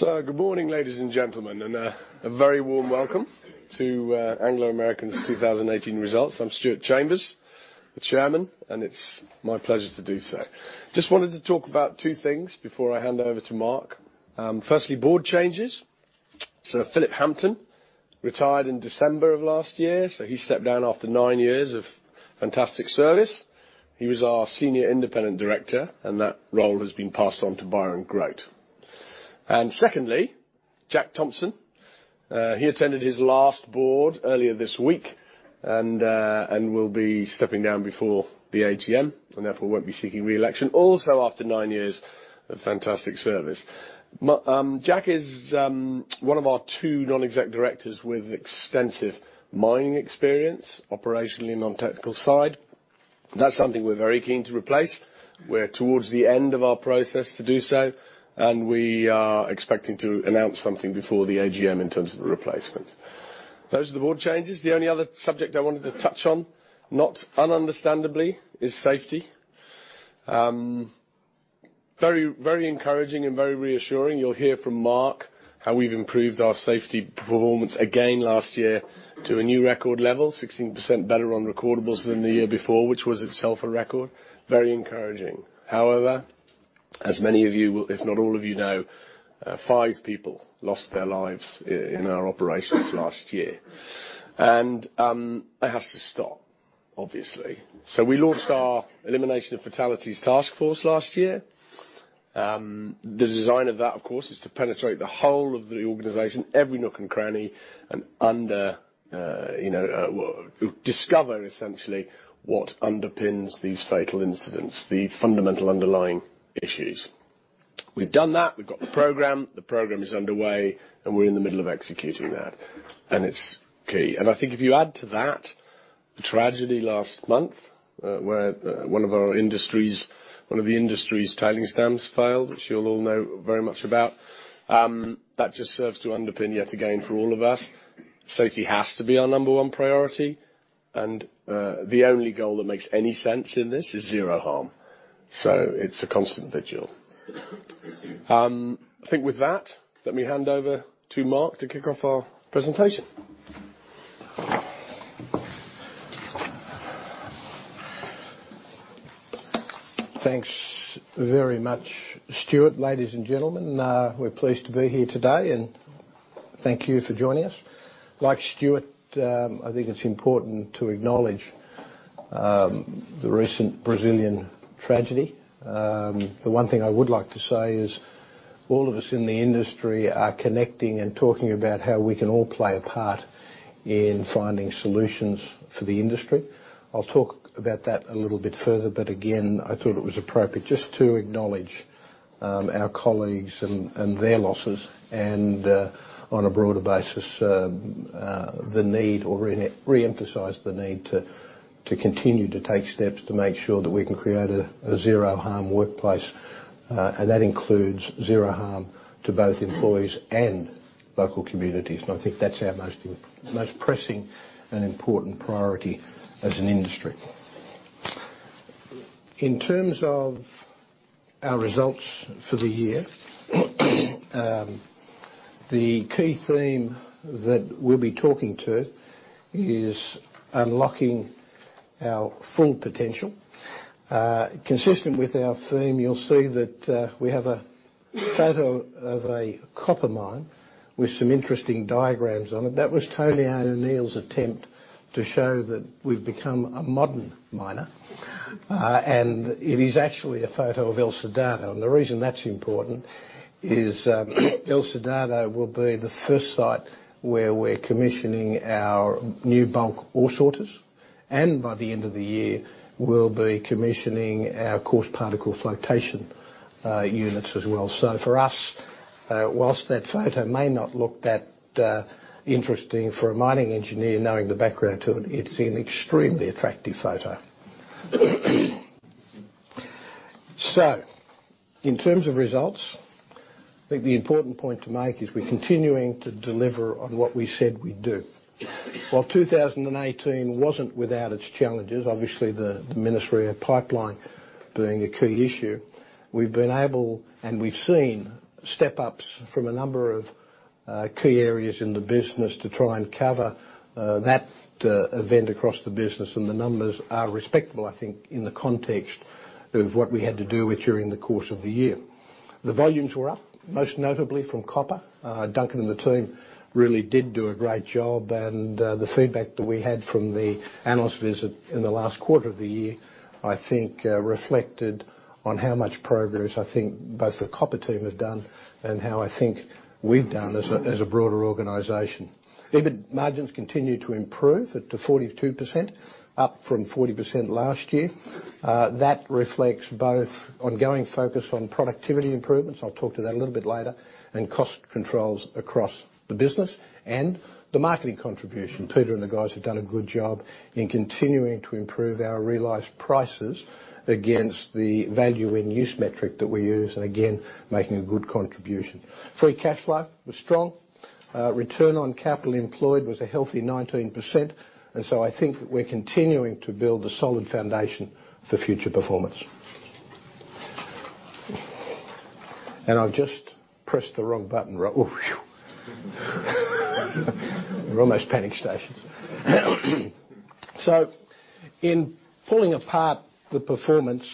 Good morning, ladies and gentlemen, and a very warm welcome to Anglo American's 2018 results. I'm Stuart Chambers, the chairman, and it's my pleasure to do so. Just wanted to talk about two things before I hand over to Mark. Firstly, board changes. Philip Hampton retired in December of last year, so he stepped down after nine years of fantastic service. He was our Senior Independent Director, and that role has been passed on to Byron Grote. Secondly, Jack Thompson. He attended his last board earlier this week and will be stepping down before the AGM, and therefore, won't be seeking re-election, also after nine years of fantastic service. Jack is one of our two non-exec directors with extensive mining experience, operationally and on technical side. That's something we're very keen to replace. We're towards the end of our process to do so, we are expecting to announce something before the AGM in terms of a replacement. Those are the board changes. The only other subject I wanted to touch on, not ununderstandably, is safety. Very encouraging and very reassuring. You'll hear from Mark how we've improved our safety performance again last year to a new record level, 16% better on recordables than the year before, which was itself a record. Very encouraging. As many of you will, if not all of you know, five people lost their lives in our operations last year. That has to stop, obviously. We launched our Elimination of Fatalities task force last year. The design of that, of course, is to penetrate the whole of the organization, every nook and cranny, and discover essentially what underpins these fatal incidents, the fundamental underlying issues. We've done that. We've got the program. The program is underway, and we're in the middle of executing that. It's key. I think if you add to that the tragedy last month, where one of the industry's tailings dams failed, which you'll all know very much about. That just serves to underpin, yet again, for all of us, safety has to be our number 1 priority. The only goal that makes any sense in this is zero harm. It's a constant vigil. I think with that, let me hand over to Mark to kick off our presentation. Thanks very much, Stuart. Ladies and gentlemen, we're pleased to be here today, thank you for joining us. Like Stuart, I think it's important to acknowledge the recent Brazilian tragedy. The one thing I would like to say is all of us in the industry are connecting and talking about how we can all play a part in finding solutions for the industry. I'll talk about that a little bit further, but again, I thought it was appropriate just to acknowledge our colleagues and their losses, and on a broader basis, re-emphasize the need to continue to take steps to make sure that we can create a zero harm workplace. That includes zero harm to both employees and local communities. I think that's our most pressing and important priority as an industry. In terms of our results for the year, the key theme that we'll be talking to is unlocking our full potential. Consistent with our theme, you'll see that we have a photo of a copper mine with some interesting diagrams on it. That was Tony O'Neill's attempt to show that we've become a modern miner. It is actually a photo of El Soldado. The reason that's important is El Soldado will be the first site where we're commissioning our new bulk ore sorters. By the end of the year, we'll be commissioning our coarse particle flotation units as well. For us, whilst that photo may not look that interesting for a mining engineer knowing the background to it's an extremely attractive photo. In terms of results, I think the important point to make is we're continuing to deliver on what we said we'd do. While 2018 wasn't without its challenges, obviously the Minas-Rio pipeline being a key issue, we've been able and we've seen step-ups from a number of key areas in the business to try and cover that event across the business. The numbers are respectable, I think, in the context of what we had to deal with during the course of the year. The volumes were up, most notably from copper. Duncan and the team really did do a great job. The feedback that we had from the analyst visit in the last quarter of the year, I think reflected on how much progress I think both the copper team have done and how I think we've done as a broader organization. EBIT margins continued to improve to 42%, up from 40% last year. That reflects both ongoing focus on productivity improvements, I'll talk to that a little bit later, and cost controls across the business and the marketing contribution. Peter and the guys have done a good job in continuing to improve our realized prices against the value in use metric that we use, and again, making a good contribution. Free cash flow was strong. Return on capital employed was a healthy 19%. I think that we're continuing to build a solid foundation for future performance. I've just pressed the wrong button. We're almost panic stations. In pulling apart the performance,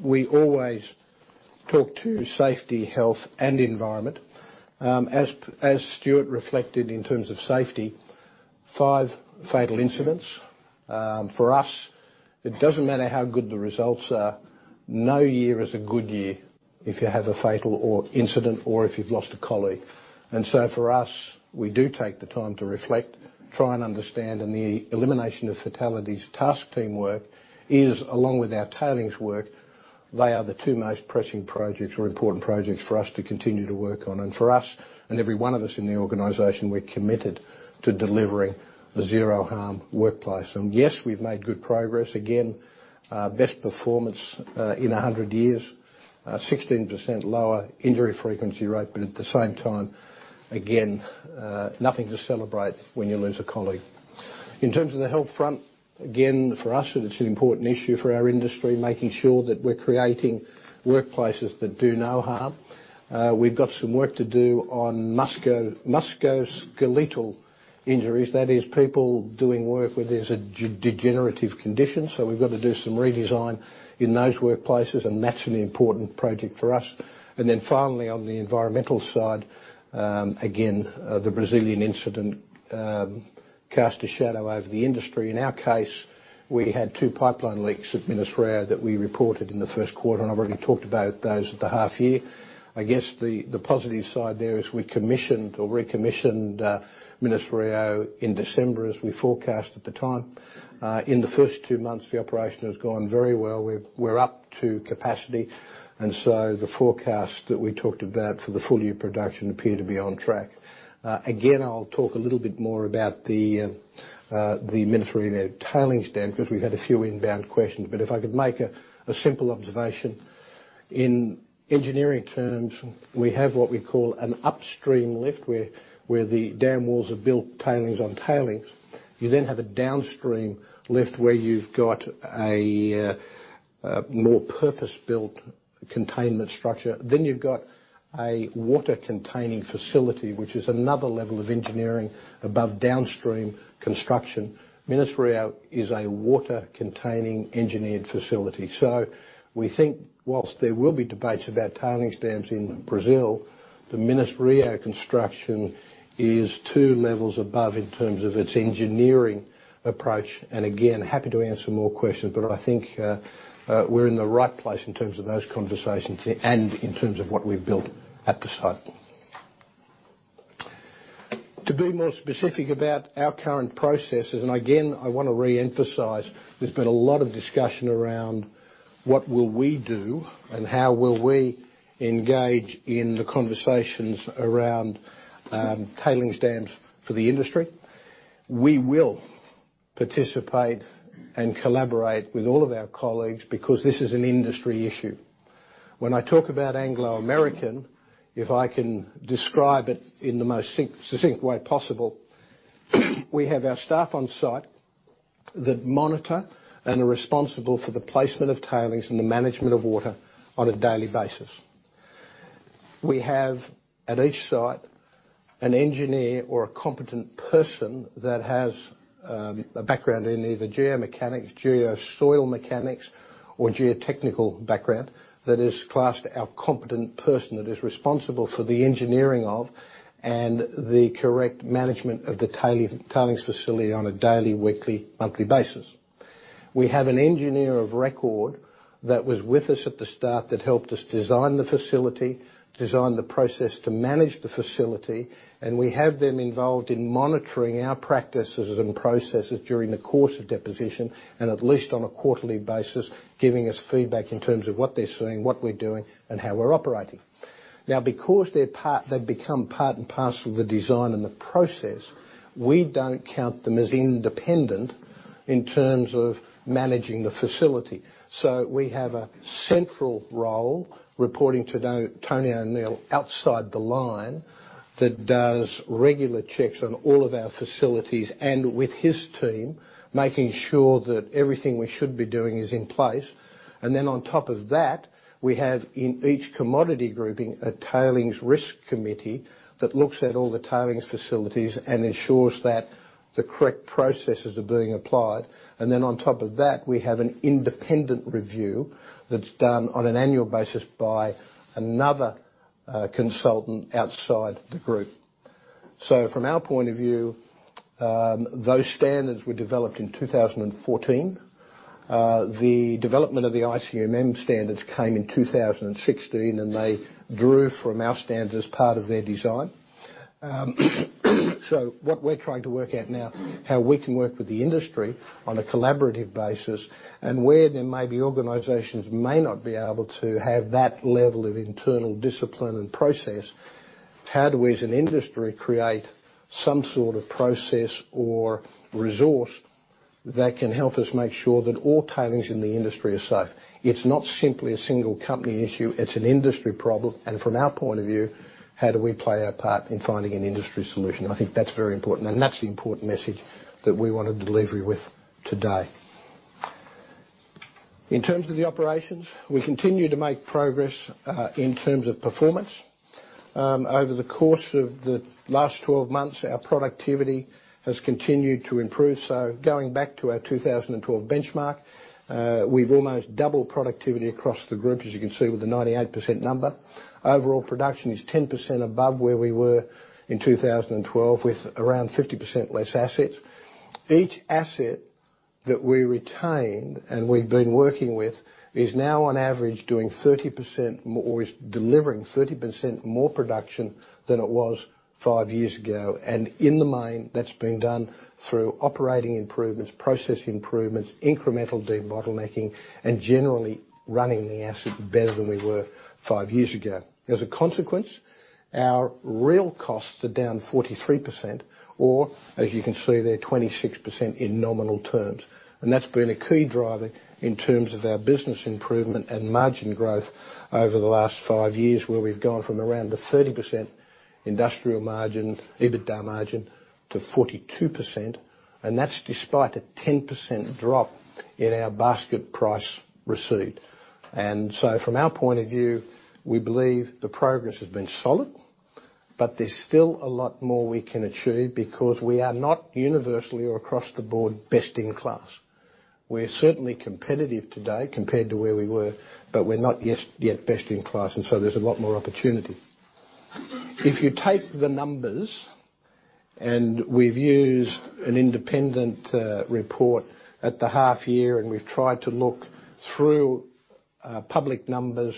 we always talk to safety, health, and environment. As Stuart reflected in terms of safety, five fatal incidents. For us, it doesn't matter how good the results are, no year is a good year if you have a fatal incident or if you've lost a colleague. For us, we do take the time to reflect, try and understand, and the elimination of fatalities task team work is, along with our tailings work, they are the two most pressing projects or important projects for us to continue to work on. For us, and every one of us in the organization, we're committed to delivering a zero harm workplace. Yes, we've made good progress. Again, best performance in 100 years, 16% lower injury frequency rate. At the same time, again, nothing to celebrate when you lose a colleague. In terms of the health front, again, for us, it's an important issue for our industry, making sure that we're creating workplaces that do no harm. We've got some work to do on musculoskeletal injuries. That is people doing work where there's a degenerative condition. We've got to do some redesign in those workplaces, and that's an important project for us. Finally, on the environmental side, again, the Brazilian incident cast a shadow over the industry. In our case, we had two pipeline leaks at Minas-Rio that we reported in the first quarter. I've already talked about those at the half year. I guess the positive side there is we commissioned or recommissioned Minas-Rio in December, as we forecast at the time. In the first two months, the operation has gone very well. We're up to capacity. The forecast that we talked about for the full year production appear to be on track. I'll talk a little bit more about the Minas-Rio tailings dam because we've had a few inbound questions. If I could make a simple observation. In engineering terms, we have what we call an upstream lift, where the dam walls are built tailings on tailings. You have a downstream lift where you've got a more purpose-built containment structure. You've got a water-containing facility, which is another level of engineering above downstream construction. Minas-Rio is a water-containing engineered facility. We think whilst there will be debates about tailings dams in Brazil, the Minas-Rio construction is two levels above in terms of its engineering approach. Happy to answer more questions. I think we're in the right place in terms of those conversations and in terms of what we've built at the site. To be more specific about our current processes, I want to reemphasize, there's been a lot of discussion around what will we do and how will we engage in the conversations around tailings dams for the industry. We will participate and collaborate with all of our colleagues because this is an industry issue. When I talk about Anglo American, if I can describe it in the most succinct way possible, we have our staff on site that monitor and are responsible for the placement of tailings and the management of water on a daily basis. We have, at each site, an engineer or a competent person that has a background in either geomechanics, geosoil mechanics or geotechnical background that is classed our competent person that is responsible for the engineering of and the correct management of the tailings facility on a daily, weekly, monthly basis. We have an engineer of record that was with us at the start that helped us design the facility, design the process to manage the facility. We have them involved in monitoring our practices and processes during the course of deposition and at least on a quarterly basis, giving us feedback in terms of what they're seeing, what we're doing, and how we're operating. Because they've become part and parcel of the design and the process, we don't count them as independent in terms of managing the facility. We have a central role reporting to Tony O'Neill outside the line that does regular checks on all of our facilities with his team, making sure that everything we should be doing is in place. On top of that, we have in each commodity grouping, a tailings risk committee that looks at all the tailings facilities and ensures that the correct processes are being applied. On top of that, we have an independent review that's done on an annual basis by another consultant outside the group. From our point of view, those standards were developed in 2014. The development of the ICMM standards came in 2016, and they drew from our standards part of their design. What we're trying to work out now, how we can work with the industry on a collaborative basis and where there may be organizations may not be able to have that level of internal discipline and process, how do we as an industry create some sort of process or resource that can help us make sure that all tailings in the industry are safe. It's not simply a single company issue, it's an industry problem. From our point of view, how do we play our part in finding an industry solution? I think that's very important, and that's the important message that we want to leave you with today. In terms of the operations, we continue to make progress, in terms of performance. Over the course of the last 12 months, our productivity has continued to improve. Going back to our 2012 benchmark, we've almost doubled productivity across the group, as you can see with the 98% number. Overall production is 10% above where we were in 2012, with around 50% less assets. Each asset that we retained and we've been working with is now on average doing 30% more or is delivering 30% more production than it was five years ago. In the main, that's been done through operating improvements, process improvements, incremental debottlenecking, and generally running the asset better than we were five years ago. As a consequence, our real costs are down 43%, or as you can see there, 26% in nominal terms. That's been a key driver in terms of our business improvement and margin growth over the last five years, where we've gone from around a 30% industrial margin, EBITDA margin, to 42%. That's despite a 10% drop in our basket price received. From our point of view, we believe the progress has been solid, but there's still a lot more we can achieve because we are not universally or across the board best in class. We're certainly competitive today compared to where we were, but we're not yet best in class, and so there's a lot more opportunity. If you take the numbers, we've used an independent report at the half year, and we've tried to look through public numbers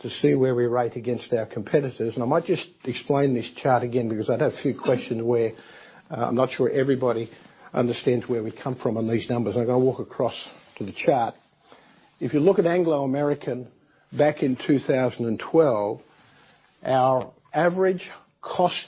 to see where we rate against our competitors. I might just explain this chart again, because I'd had a few questions where I'm not sure everybody understands where we come from on these numbers. I've got to walk across to the chart. If you look at Anglo American back in 2012, our average cost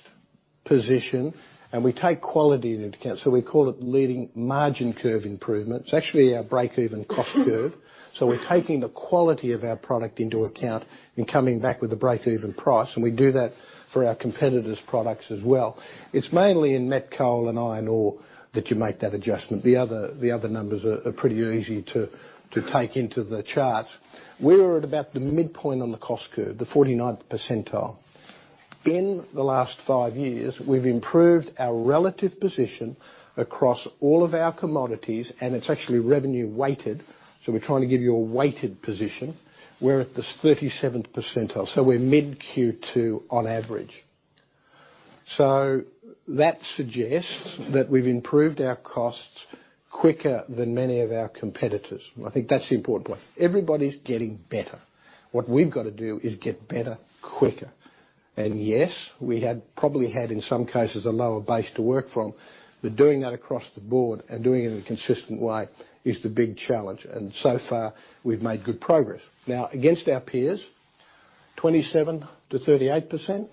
position, we take quality into account, so we call it leading margin curve improvement. It's actually our break-even cost curve. We're taking the quality of our product into account and coming back with a break-even price, and we do that for our competitors' products as well. It's mainly in met coal and iron ore that you make that adjustment. The other numbers are pretty easy to take into the chart. We were at about the midpoint on the cost curve, the 49th percentile. In the last five years, we've improved our relative position across all of our commodities, and it's actually revenue-weighted, so we're trying to give you a weighted position. We're at the 37th percentile, so we're mid Q2 on average. That suggests that we've improved our costs quicker than many of our competitors. I think that's the important point. Everybody's getting better. What we've got to do is get better quicker. Yes, we had probably had, in some cases, a lower base to work from, but doing that across the board and doing it in a consistent way is the big challenge. So far, we've made good progress. Now, against our peers, 27%-38%,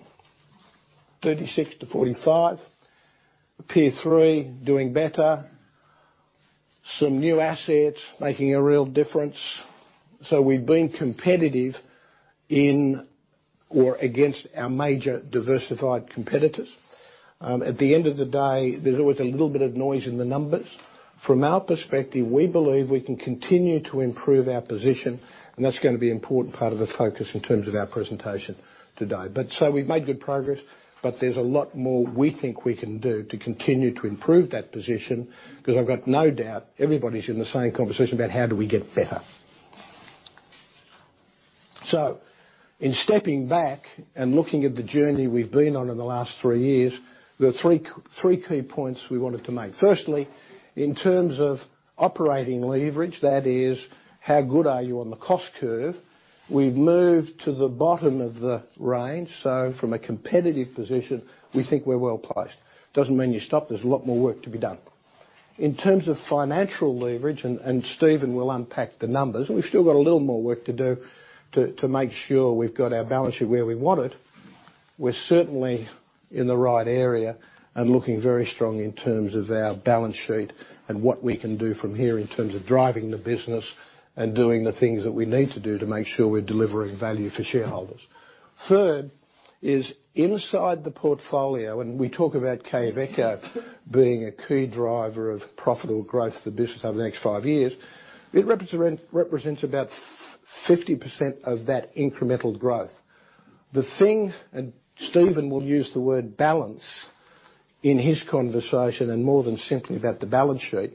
36%-45%. Peer three doing better. Some new assets making a real difference. We've been competitive in or against our major diversified competitors. At the end of the day, there's always a little bit of noise in the numbers. From our perspective, we believe we can continue to improve our position, and that's going to be an important part of the focus in terms of our presentation today. We've made good progress, but there's a lot more we think we can do to continue to improve that position, because I've got no doubt everybody's in the same conversation about how do we get better. In stepping back and looking at the journey we've been on in the last three years, there are three key points we wanted to make. Firstly, in terms of operating leverage, that is how good are you on the cost curve? We've moved to the bottom of the range. From a competitive position, we think we're well-placed. Doesn't mean you stop. There's a lot more work to be done. In terms of financial leverage, Stephen will unpack the numbers, and we've still got a little more work to do to make sure we've got our balance sheet where we want it. We're certainly in the right area and looking very strong in terms of our balance sheet and what we can do from here in terms of driving the business and doing the things that we need to do to make sure we're delivering value for shareholders. Third is inside the portfolio, and we talk about Quellaveco being a key driver of profitable growth for the business over the next five years. It represents about 50% of that incremental growth. The thing, Stephen will use the word balance in his conversation and more than simply about the balance sheet.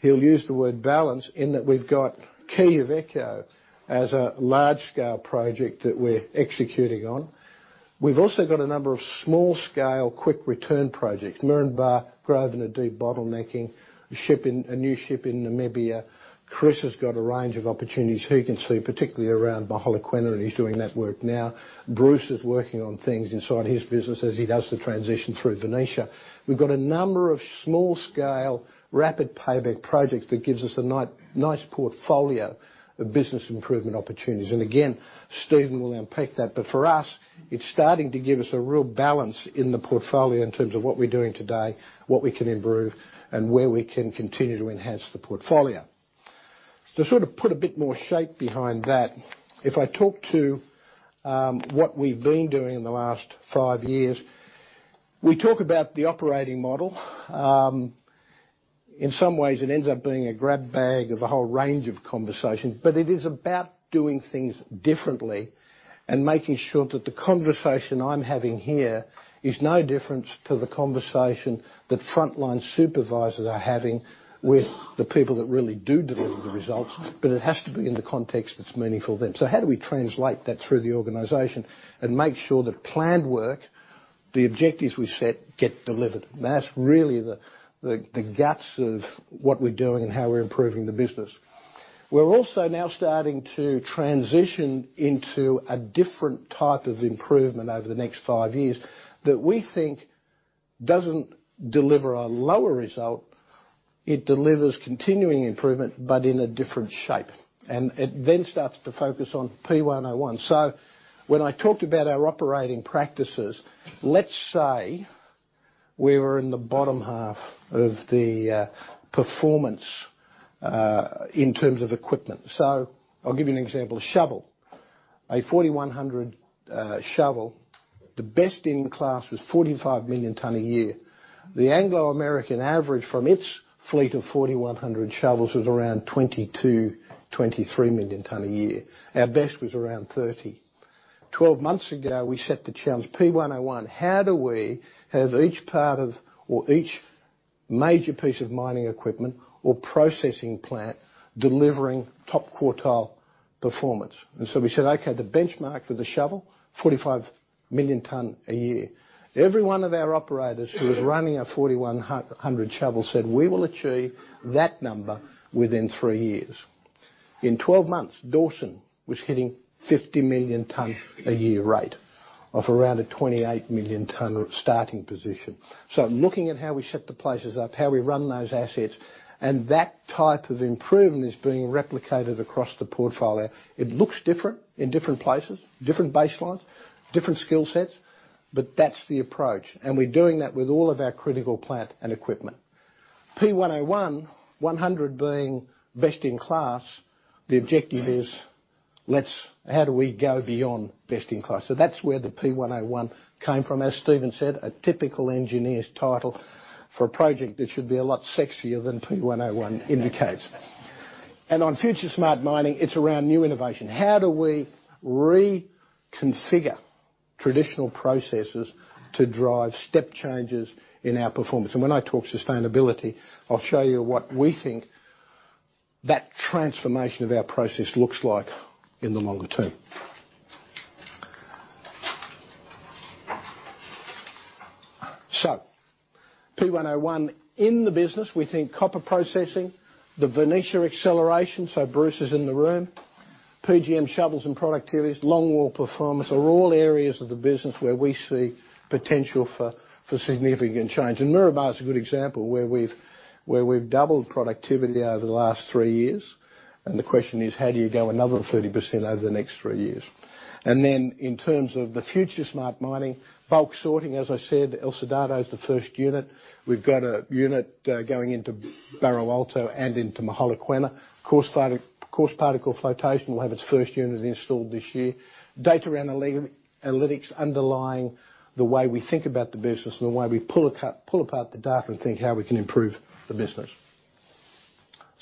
He'll use the word balance in that we've got Quellaveco as a large-scale project that we're executing on. We've also got a number of small-scale, quick-return projects. Moranbah Grosvenor, and a deep bottlenecking. A new ship in Namibia. Chris has got a range of opportunities he can see, particularly around Mogalakwena, and he's doing that work now. Bruce is working on things inside his business as he does the transition through Venetia. We've got a number of small-scale, rapid-payback projects that gives us a nice portfolio of business improvement opportunities. Again, Stephen will unpack that. For us, it's starting to give us a real balance in the portfolio in terms of what we're doing today, what we can improve, and where we can continue to enhance the portfolio. To put a bit more shape behind that, if I talk to what we've been doing in the last five years. We talk about the operating model. In some ways, it ends up being a grab bag of a whole range of conversations. It is about doing things differently and making sure that the conversation I'm having here is no different to the conversation that frontline supervisors are having with the people that really do deliver the results. It has to be in the context that's meaningful to them. How do we translate that through the organization and make sure that planned work, the objectives we set, get delivered? That's really the guts of what we're doing and how we're improving the business. We're also now starting to transition into a different type of improvement over the next five years that we think doesn't deliver a lower result. It delivers continuing improvement, but in a different shape. It then starts to focus on P101. When I talked about our operating practices, let's say we were in the bottom half of the performance in terms of equipment. I'll give you an example. Shovel. A P&H 4100 shovel, the best in class was 45 million ton a year. The Anglo American average from its fleet of P&H 4100 shovels was around 22, 23 million ton a year. Our best was around 30. 12 months ago, we set the challenge P101. How do we have each part of or each major piece of mining equipment or processing plant delivering top quartile performance? We said, "Okay, the benchmark for the shovel, 45 million ton a year." Every one of our operators who was running a P&H 4100 shovel said, "We will achieve that number within three years." In 12 months, Dawson was hitting 50 million ton a year rate of around a 28 million ton starting position. Looking at how we set the places up, how we run those assets, and that type of improvement is being replicated across the portfolio. It looks different in different places, different baselines, different skill sets. That's the approach. We're doing that with all of our critical plant and equipment. P101, 100 being best in class. The objective is, how do we go beyond best in class? That's where the P101 came from. As Stephen said, a typical engineer's title for a project that should be a lot sexier than P101 indicates. On FutureSmart Mining, it's around new innovation. How do we reconfigure traditional processes to drive step changes in our performance? When I talk sustainability, I'll show you what we think that transformation of our process looks like in the longer term. P101 in the business, we think copper processing, the Venetia acceleration. Bruce is in the room. PGM shovels and productivities, long wall performance are all areas of the business where we see potential for significant change. Moranbah is a good example where we've doubled productivity over the last three years. The question is: How do you go another 30% over the next three years? In terms of the FutureSmart Mining, bulk sorting, as I said, El Soldado is the first unit. We've got a unit going into Barro Alto and into Mogalakwena. Coarse particle flotation will have its first unit installed this year. Data analytics underlying the way we think about the business and the way we pull apart the data and think how we can improve the business.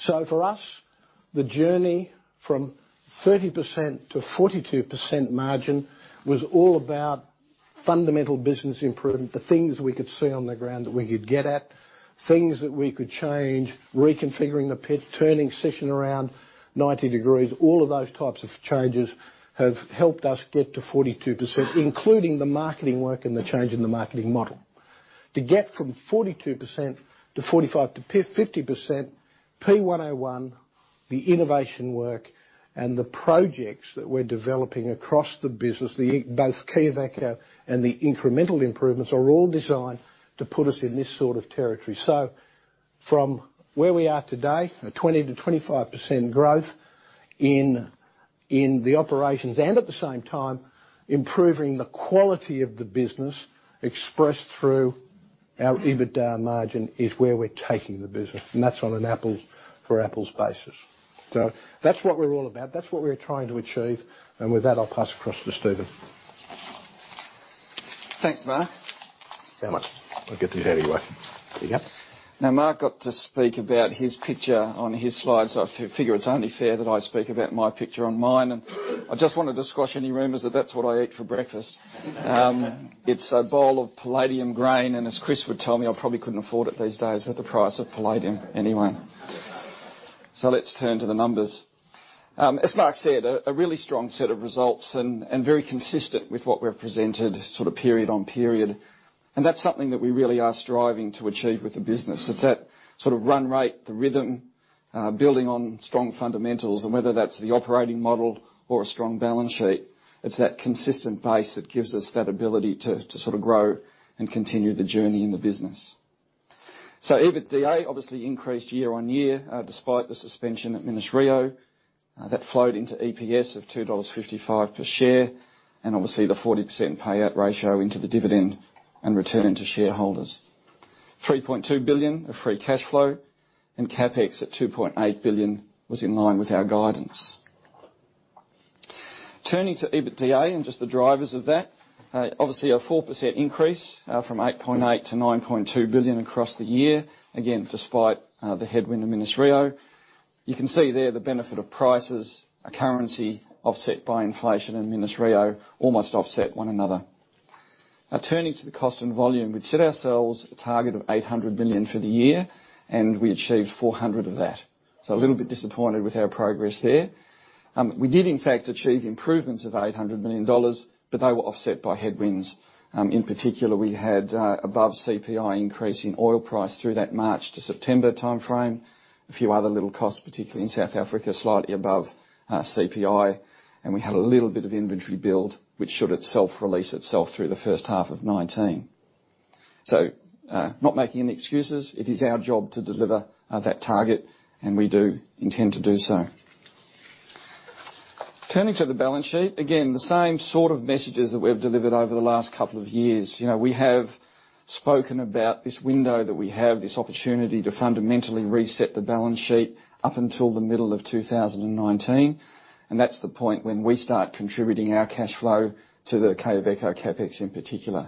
For us, the journey from 30% to 42% margin was all about fundamental business improvement. The things we could see on the ground that we could get at. Things that we could change. Reconfiguring the pit. Turning section around 90 degrees. All of those types of changes have helped us get to 42%, including the marketing work and the change in the marketing model. To get from 42% to 45%-50%, P101, the innovation work, and the projects that we're developing across the business, both Quellaveco and the incremental improvements, are all designed to put us in this sort of territory. From where we are today, a 20%-25% growth in the operations and, at the same time, improving the quality of the business expressed through our EBITDA margin, is where we're taking the business. That's on an apples for apples basis. That's what we're all about. That's what we're trying to achieve. With that, I'll pass across to Stephen. Thanks, Mark. How much? I'll get this out of your way. There you go. Mark got to speak about his picture on his slides. I figure it's only fair that I speak about my picture on mine. I just wanted to squash any rumors that's what I eat for breakfast. It's a bowl of palladium grain, and as Chris would tell me, I probably couldn't afford it these days with the price of palladium anyway. Let's turn to the numbers. As Mark said, a really strong set of results and very consistent with what we've presented period on period. That's something that we really are striving to achieve with the business. It's that run rate, the rhythm building on strong fundamentals. Whether that's the operating model or a strong balance sheet, it's that consistent base that gives us that ability to grow and continue the journey in the business. EBITDA obviously increased year-on-year despite the suspension at Minas-Rio. That flowed into EPS of $2.55 per share and obviously the 40% payout ratio into the dividend and return to shareholders. $3.2 billion of free cash flow and CapEx at $2.8 billion was in line with our guidance. Turning to EBITDA and just the drivers of that, obviously a 4% increase from $8.8 billion-$9.2 billion across the year, again, despite the headwind of Minas-Rio. You can see there the benefit of prices, a currency offset by inflation and Minas-Rio almost offset one another. Turning to the cost and volume, we'd set ourselves a target of $800 million for the year, and we achieved $400 million of that. A little bit disappointed with our progress there. We did in fact achieve improvements of $800 million, but they were offset by headwinds. In particular, we had above CPI increase in oil price through that March to September timeframe. A few other little costs, particularly in South Africa, slightly above CPI. We had a little bit of inventory build, which should release itself through the first half of 2019. Not making any excuses. It is our job to deliver that target, and we do intend to do so. Turning to the balance sheet, again, the same sort of messages that we've delivered over the last couple of years. We have spoken about this window that we have, this opportunity to fundamentally reset the balance sheet up until the middle of 2019, and that's the point when we start contributing our cash flow to the Quellaveco CapEx in particular.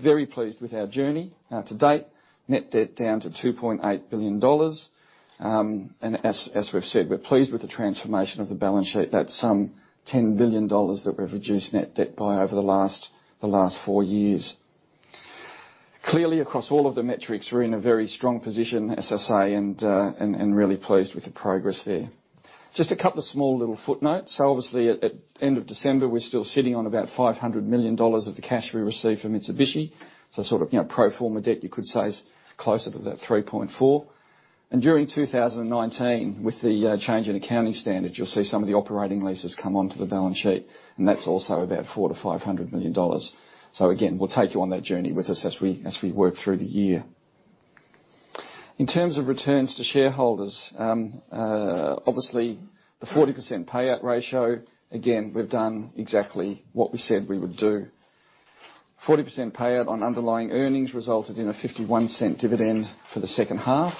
Very pleased with our journey to date. Net debt down to $2.8 billion. As we've said, we're pleased with the transformation of the balance sheet. That's some $10 billion that we've reduced net debt by over the last four years. Clearly, across all of the metrics, we're in a very strong position, as I say, and really pleased with the progress there. Just a couple of small little footnotes. Obviously, at end of December, we're still sitting on about $500 million of the cash we received from Mitsubishi. Sort of pro forma debt, you could say, is closer to that $3.4 billion. During 2019, with the change in accounting standards, you'll see some of the operating leases come onto the balance sheet, and that's also about $400 million-$500 million. Again, we'll take you on that journey with us as we work through the year. In terms of returns to shareholders, obviously the 40% payout ratio, again, we've done exactly what we said we would do. 40% payout on underlying earnings resulted in a $0.51 dividend for the second half,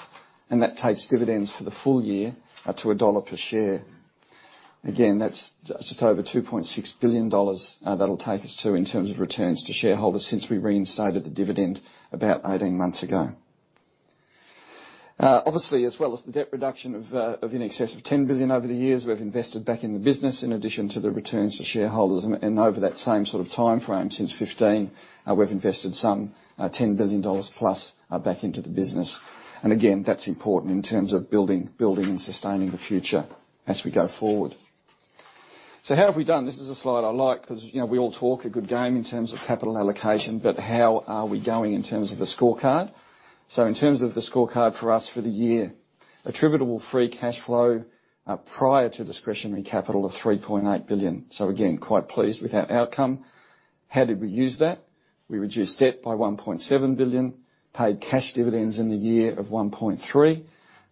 and that takes dividends for the full year to a $1 per share. Again, that's just over $2.6 billion that'll take us to in terms of returns to shareholders since we reinstated the dividend about 18 months ago. Obviously, as well as the debt reduction of in excess of $10 billion over the years, we've invested back in the business in addition to the returns for shareholders. Over that same sort of timeframe since 2015, we've invested some $10 billion plus back into the business. Again, that's important in terms of building and sustaining the future as we go forward. How have we done? This is a slide I like because we all talk a good game in terms of capital allocation, but how are we going in terms of the scorecard? In terms of the scorecard for us for the year, attributable free cash flow prior to discretionary capital of $3.8 billion. Again, quite pleased with that outcome. How did we use that? We reduced debt by $1.7 billion, paid cash dividends in the year of $1.3 billion,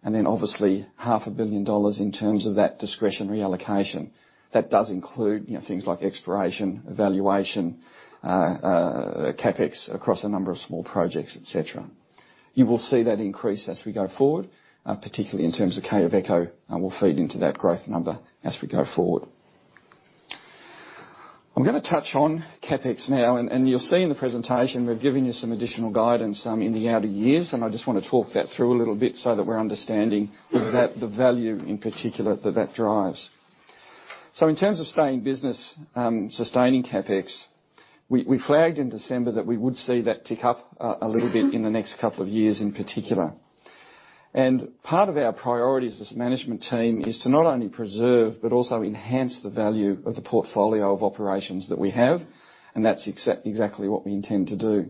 and then obviously $0.5 billion in terms of that discretionary allocation. That does include things like exploration, evaluation, CapEx across a number of small projects, et cetera. You will see that increase as we go forward, particularly in terms of Cave Hill, will feed into that growth number as we go forward. I am going to touch on CapEx now. You will see in the presentation, we've given you some additional guidance in the outer years. I just want to talk that through a little bit so that we are understanding the value in particular that that drives. In terms of sustaining business, sustaining CapEx, we flagged in December that we would see that tick up a little bit in the next couple of years in particular. Part of our priority as this management team is to not only preserve but also enhance the value of the portfolio of operations that we have. That is exactly what we intend to do.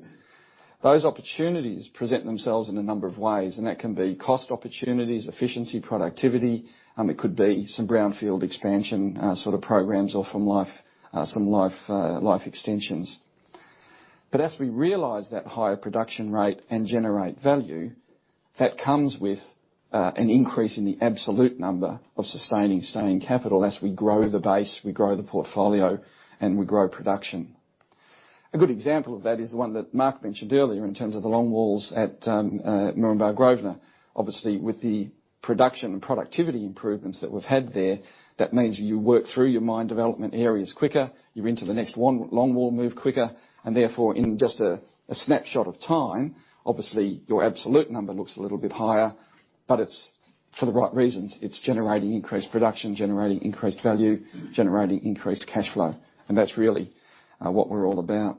Those opportunities present themselves in a number of ways, and that can be cost opportunities, efficiency, productivity. It could be some brownfield expansion sort of programs or some life extensions. As we realize that higher production rate and generate value, that comes with an increase in the absolute number of sustaining capital. As we grow the base, we grow the portfolio, and we grow production. A good example of that is the one that Mark mentioned earlier in terms of the long walls at Moranbah Grosvenor. Obviously, with the production and productivity improvements that we've had there, that means you work through your mine development areas quicker, you are into the next long wall move quicker, and therefore, in just a snapshot of time, obviously, your absolute number looks a little bit higher, but it is for the right reasons. It is generating increased production, generating increased value, generating increased cash flow, and that's really what we are all about.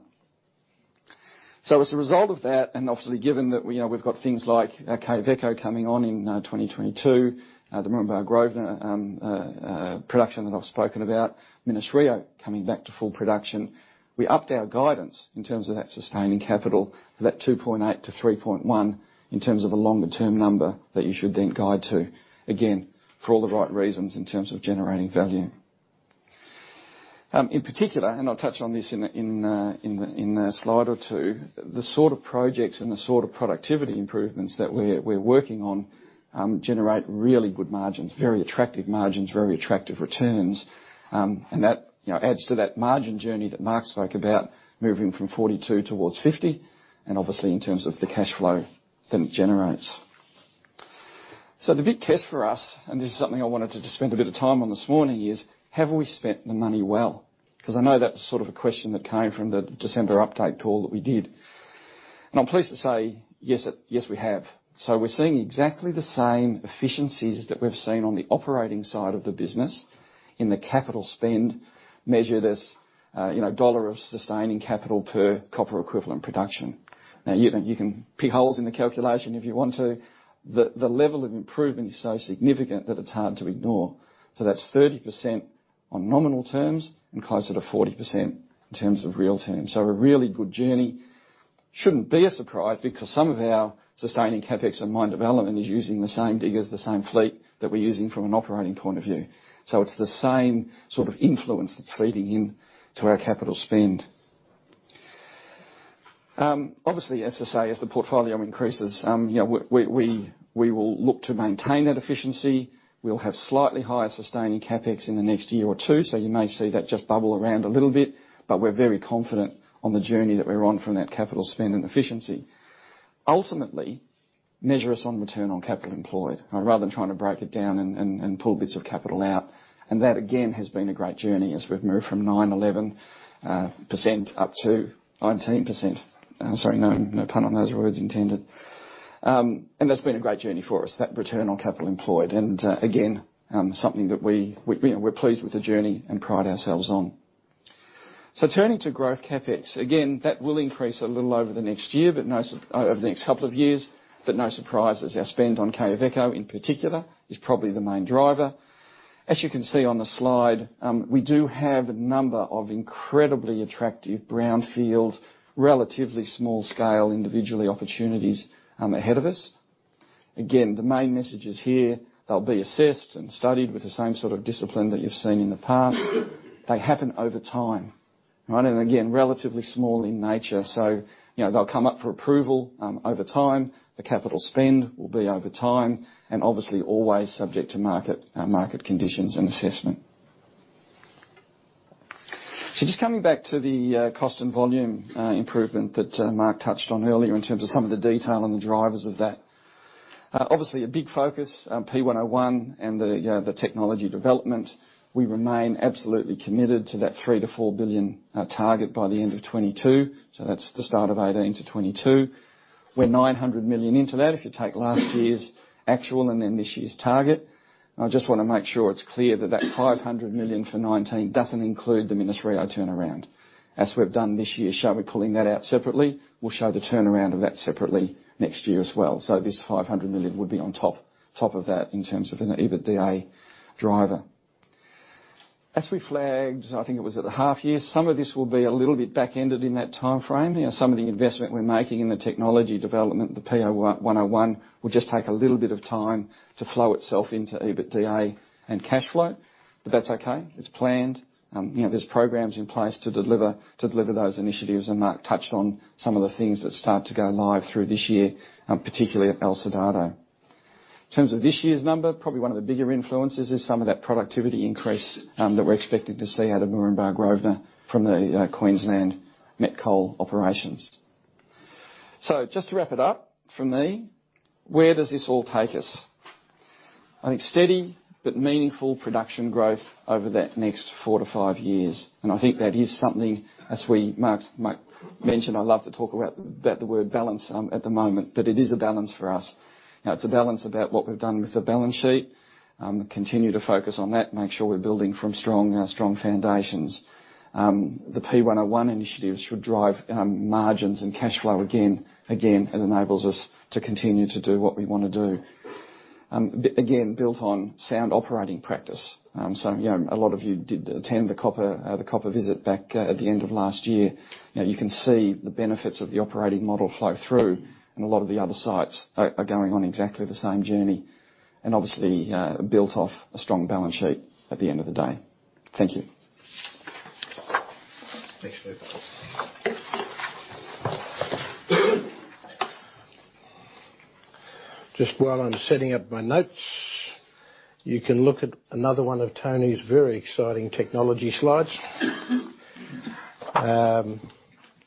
As a result of that, and obviously given that we've got things like Cave Hill coming on in 2022, the Moranbah Grosvenor production that I've spoken about, Minas-Rio coming back to full production, we upped our guidance in terms of that sustaining capital for that $2.8-$3.1 in terms of a longer-term number that you should then guide to. For all the right reasons in terms of generating value. In particular, I'll touch on this in a slide or two, the sort of projects and the sort of productivity improvements that we're working on generate really good margins, very attractive margins, very attractive returns. That adds to that margin journey that Mark spoke about, moving from 42% towards 50%, and obviously in terms of the cash flow that it generates. The big test for us, and this is something I wanted to just spend a bit of time on this morning, is have we spent the money well? Because I know that's sort of a question that came from the December update call that we did. I'm pleased to say yes, we have. We're seeing exactly the same efficiencies that we've seen on the operating side of the business in the capital spend measured as $ of sustaining capital per copper equivalent production. You can pick holes in the calculation if you want to. The level of improvement is so significant that it's hard to ignore. That's 30% on nominal terms and closer to 40% in terms of real terms. A really good journey. Shouldn't be a surprise because some of our sustaining CapEx and mine development is using the same diggers, the same fleet that we're using from an operating point of view. It's the same sort of influence that's feeding into our capital spend. As I say, as the portfolio increases, we will look to maintain that efficiency. We'll have slightly higher sustaining CapEx in the next year or two, so you may see that just bubble around a little bit, but we're very confident on the journey that we're on from that capital spend and efficiency. Ultimately, measure us on return on capital employed rather than trying to break it down and pull bits of capital out. That, again, has been a great journey as we've moved from 9%, 11% up to 19%. Sorry, no pun on those words intended. That's been a great journey for us, that return on capital employed. Again, something that we're pleased with the journey and pride ourselves on. Turning to growth CapEx. Again, that will increase a little over the next couple of years, but no surprises. Our spend on Quellaveco in particular is probably the main driver. As you can see on the slide, we do have a number of incredibly attractive brownfield, relatively small scale individually opportunities ahead of us. Again, the main message is here. They'll be assessed and studied with the same sort of discipline that you've seen in the past. They happen over time. Right? Again, relatively small in nature. They'll come up for approval over time. The capital spend will be over time, and obviously always subject to market conditions and assessment. Just coming back to the cost and volume improvement that Mark touched on earlier in terms of some of the detail and the drivers of that. Obviously, a big focus on P101 and the technology development. We remain absolutely committed to that $3 billion-$4 billion target by the end of 2022. That's the start of 2018-2022. We're $900 million into that if you take last year's actual and then this year's target. I just want to make sure it's clear that that $500 million for 2019 doesn't include the Minas-Rio turnaround. As we've done this year, shall we pulling that out separately? We'll show the turnaround of that separately next year as well. This $500 million would be on top of that in terms of an EBITDA driver. As we flagged, I think it was at the half year, some of this will be a little bit back-ended in that time frame. Some of the investment we're making in the technology development, the P101, will just take a little bit of time to flow itself into EBITDA and cash flow. That's okay. It's planned. There's programs in place to deliver those initiatives, and Mark touched on some of the things that start to go live through this year, particularly at El Soldado. In terms of this year's number, probably one of the bigger influences is some of that productivity increase that we're expecting to see out of Moranbah Grosvenor from the Queensland Met Coal operations. Just to wrap it up for me, where does this all take us? I think steady but meaningful production growth over that next four to five years. I think that is something, as Mark mentioned, I love to talk about the word balance at the moment, but it is a balance for us. It's a balance about what we've done with the balance sheet. Continue to focus on that, make sure we're building from strong foundations. The P101 initiatives should drive margins and cash flow again. Again, it enables us to continue to do what we want to do. Again, built on sound operating practice. A lot of you did attend the copper visit back at the end of last year. You can see the benefits of the operating model flow through and a lot of the other sites are going on exactly the same journey. Obviously, built off a strong balance sheet at the end of the day. Thank you. Thanks, Tony. Just while I'm setting up my notes, you can look at another one of Tony's very exciting technology slides.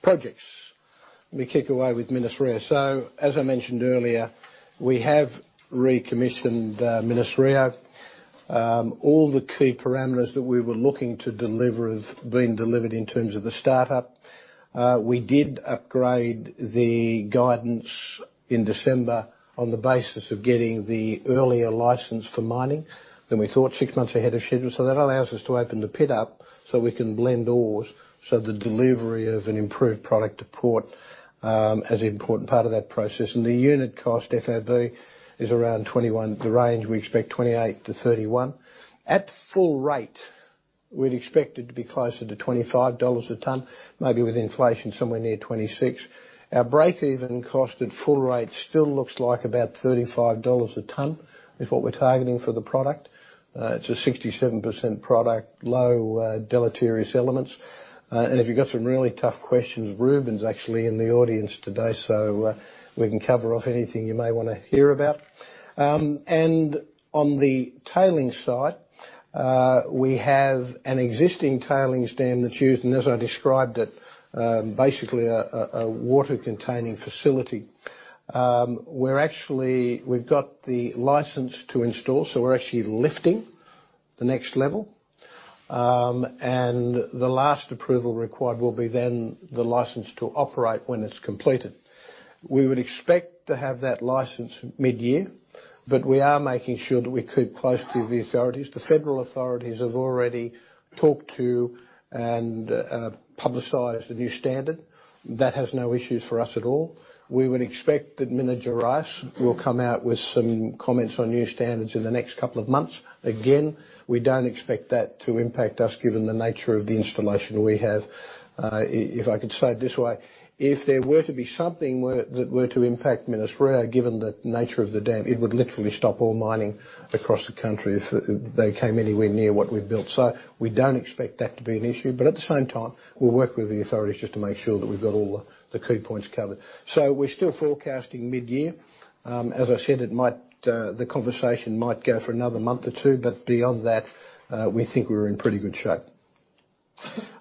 Projects. Let me kick away with Minas-Rio. As I mentioned earlier, we have recommissioned Minas-Rio. All the key parameters that we were looking to deliver have been delivered in terms of the startup. We did upgrade the guidance in December on the basis of getting the earlier license for mining than we thought, 6 months ahead of schedule. That allows us to open the pit up we can blend ores, the delivery of an improved product to port is an important part of that process. The unit cost, FOB, is around 21. The range we expect, 28-31. At full rate, we'd expect it to be closer to $25 a ton, maybe with inflation somewhere near 26. Our break-even cost at full rate still looks like about $35 a ton, is what we're targeting for the product. It's a 67% product, low deleterious elements. If you've got some really tough questions, Ruben's actually in the audience today, we can cover off anything you may want to hear about. On the tailing side. We have an existing tailings dam that's used, and as I described it, basically a water-containing facility. We've got the license to install, we're actually lifting the next level. The last approval required will be then the license to operate when it's completed. We would expect to have that license mid-year, we are making sure that we keep close to the authorities. The federal authorities have already talked to and publicized the new standard. That has no issues for us at all. We would expect that Minas Gerais will come out with some comments on new standards in the next couple of months. Again, we don't expect that to impact us given the nature of the installation we have. If I could say it this way, if there were to be something that were to impact Minas-Rio, given the nature of the dam, it would literally stop all mining across the country if they came anywhere near what we've built. We don't expect that to be an issue, at the same time, we'll work with the authorities just to make sure that we've got all the key points covered. We're still forecasting mid-year. As I said, the conversation might go for another month or two, beyond that, we think we're in pretty good shape.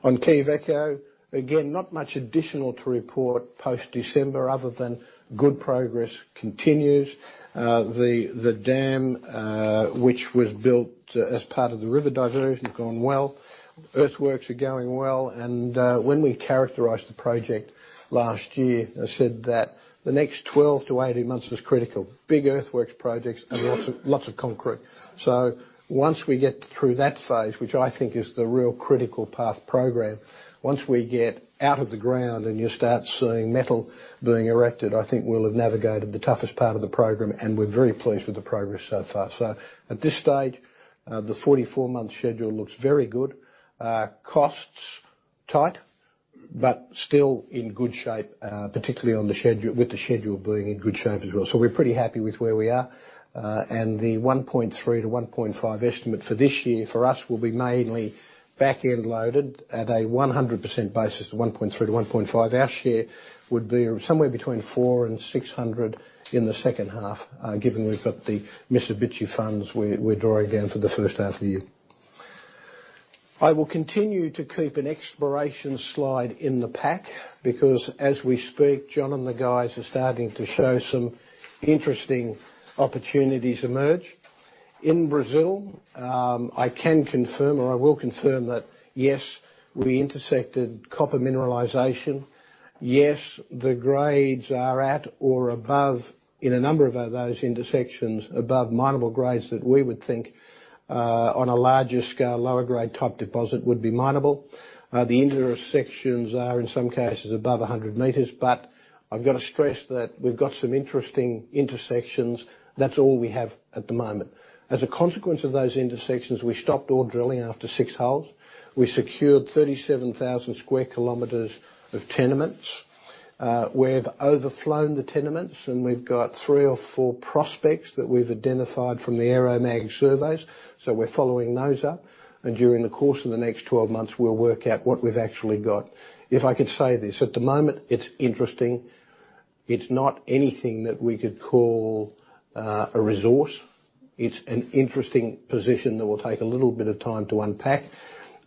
On Quellaveco, again, not much additional to report post-December other than good progress continues. The dam, which was built as part of the river diversion, has gone well. Earthworks are going well, when we characterized the project last year, I said that the next 12-18 months was critical. Big earthworks projects and lots of concrete. Once we get through that phase, which I think is the real critical path program, once we get out of the ground and you start seeing metal being erected, I think we'll have navigated the toughest part of the program, we're very pleased with the progress so far. At this stage, the 44-month schedule looks very good. Costs, tight, still in good shape, particularly with the schedule being in good shape as well. We're pretty happy with where we are. The $1.3 million-$1.5 million estimate for this year for us will be mainly back-end loaded at a 100% basis to $1.3 million-$1.5 million. Our share would be somewhere between $400 million and $600 million in the second half, given we've got the Mitsubishi funds we're drawing down for the first half of the year. I will continue to keep an exploration slide in the pack because as we speak, John and the guys are starting to show some interesting opportunities emerge. In Brazil, I can confirm, or I will confirm that, yes, we intersected copper mineralization. Yes, the grades are at or above, in a number of those intersections, above minable grades that we would think on a larger scale, lower grade type deposit would be minable. The intersections are, in some cases, above 100 meters. I've got to stress that we've got some interesting intersections. That's all we have at the moment. As a consequence of those intersections, we stopped all drilling after six holes. We secured 37,000 sq km of tenements. We've overflown the tenements, and we've got three or four prospects that we've identified from the aeromag surveys. We're following those up. During the course of the next 12 months, we'll work out what we've actually got. If I could say this, at the moment, it's interesting. It's not anything that we could call a resource. It's an interesting position that will take a little bit of time to unpack.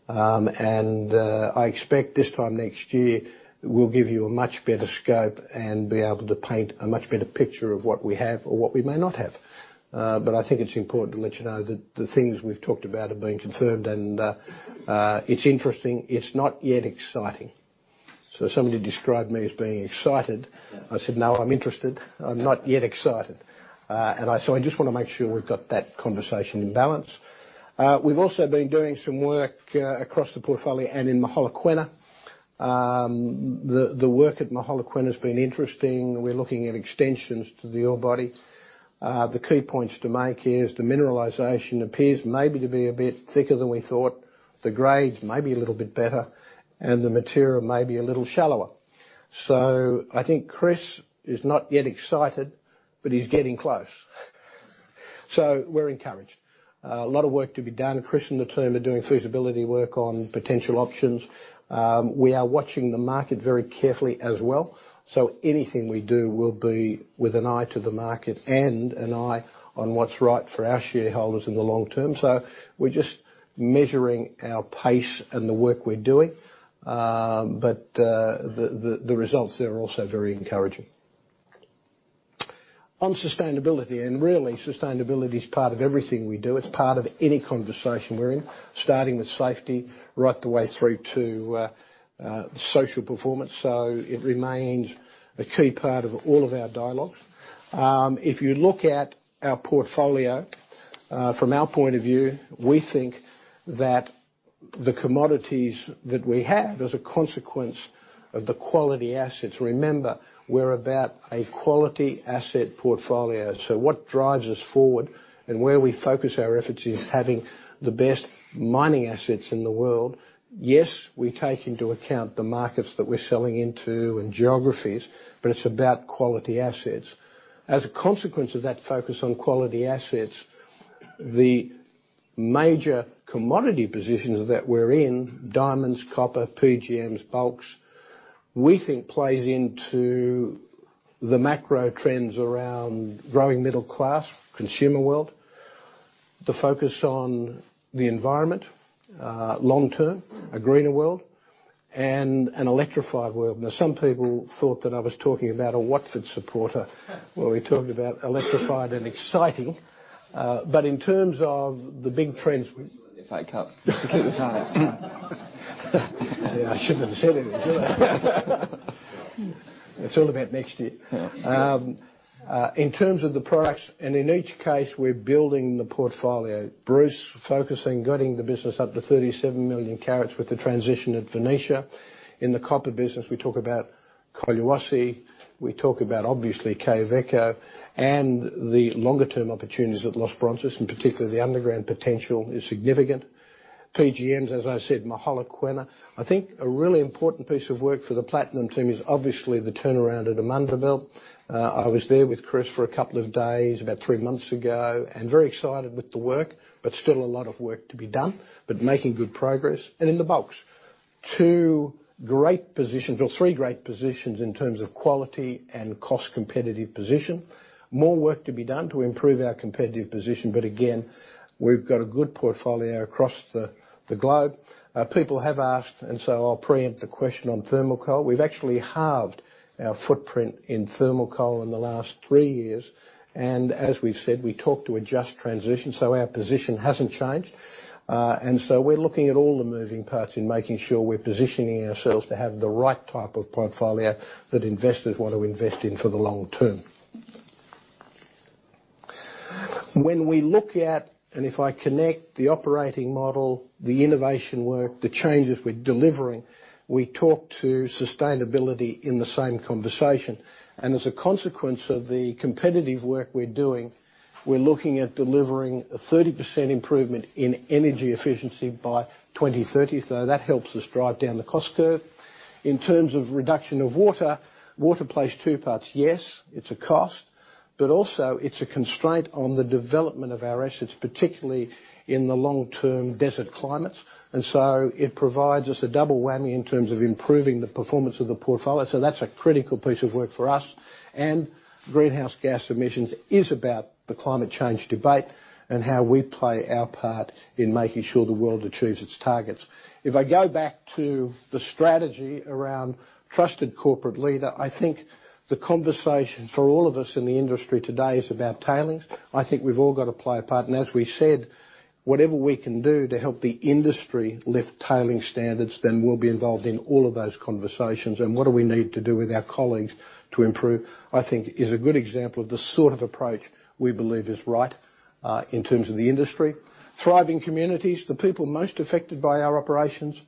I expect this time next year, we'll give you a much better scope and be able to paint a much better picture of what we have or what we may not have. I think it's important to let you know that the things we've talked about have been confirmed, and it's interesting. It's not yet exciting. Somebody described me as being excited. I said, "No, I'm interested. I'm not yet excited." I just want to make sure we've got that conversation in balance. We've also been doing some work across the portfolio and in Mogalakwena. The work at Mogalakwena has been interesting. We're looking at extensions to the ore body. The key points to make here is the mineralization appears maybe to be a bit thicker than we thought, the grades may be a little bit better, and the material may be a little shallower. I think Chris is not yet excited, but he's getting close. We're encouraged. A lot of work to be done. Chris and the team are doing feasibility work on potential options. We are watching the market very carefully as well. Anything we do will be with an eye to the market and an eye on what's right for our shareholders in the long term. We're just measuring our pace and the work we're doing. The results there are also very encouraging. On sustainability, and really, sustainability is part of everything we do. It's part of any conversation we're in, starting with safety right the way through to social performance. It remains a key part of all of our dialogues. If you look at our portfolio from our point of view, we think that the commodities that we have as a consequence of the quality assets. Remember, we're about a quality asset portfolio. What drives us forward and where we focus our efforts is having the best mining assets in the world. Yes, we take into account the markets that we're selling into and geographies, but it's about quality assets. As a consequence of that focus on quality assets, the major commodity positions that we're in, diamonds, copper, PGMs, bulks, we think plays into the macro trends around growing middle class consumer world. The focus on the environment, long-term, a greener world, and an electrified world. Now, some people thought that I was talking about a Watford supporter when we talked about electrified and exciting. In terms of the big trends. The FA Cup. Just to keep you honest. Yeah, I shouldn't have said anything, should I? No. It's all about next year. Yeah. In terms of the products, in each case, we're building the portfolio. Bruce focusing, getting the business up to 37 million carats with the transition at Venetia. In the copper business, we talk about Collahuasi, we talk about, obviously, Quellaveco, and the longer term opportunities at Los Bronces, and particularly the underground potential is significant. PGMs, as I said, Mogalakwena. I think a really important piece of work for the platinum team is obviously the turnaround at Amandelbult. I was there with Chris for a couple of days, about 3 months ago, and very excited with the work, but still a lot of work to be done. Making good progress. In the bulks, 2 great positions, or 3 great positions in terms of quality and cost competitive position. More work to be done to improve our competitive position. Again, we've got a good portfolio across the globe. People have asked, so I'll preempt the question on thermal coal. We've actually halved our footprint in thermal coal in the last 3 years. As we've said, we talk to a just transition, so our position hasn't changed. So we're looking at all the moving parts in making sure we're positioning ourselves to have the right type of portfolio that investors want to invest in for the long term. When we look at, if I connect the operating model, the innovation work, the changes we're delivering, we talk to sustainability in the same conversation. As a consequence of the competitive work we're doing, we're looking at delivering a 30% improvement in energy efficiency by 2030. That helps us drive down the cost curve. In terms of reduction of water. Water plays 2 parts. Yes, it's a cost. Also it's a constraint on the development of our assets, particularly in the long-term desert climates. It provides us a double whammy in terms of improving the performance of the portfolio. That's a critical piece of work for us. Greenhouse gas emissions is about the climate change debate and how we play our part in making sure the world achieves its targets. If I go back to the strategy around trusted corporate leader, I think the conversation for all of us in the industry today is about tailings. I think we've all got to play a part. As we said, whatever we can do to help the industry lift tailing standards, then we'll be involved in all of those conversations. What do we need to do with our colleagues to improve, I think, is a good example of the sort of approach we believe is right, in terms of the industry. Thriving communities. The people most affected by our operations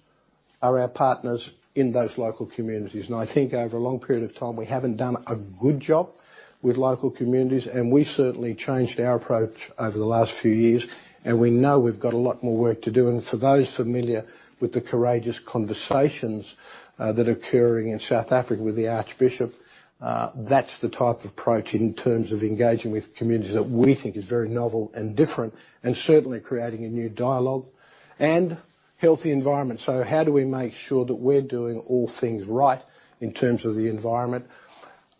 are our partners in those local communities. I think over a long period of time, we haven't done a good job with local communities, and we certainly changed our approach over the last few years. We know we've got a lot more work to do. For those familiar with the courageous conversations that are occurring in South Africa with the Archbishop, that's the type of approach in terms of engaging with communities that we think is very novel and different. Certainly creating a new dialogue. Healthy environment. How do we make sure that we're doing all things right in terms of the environment?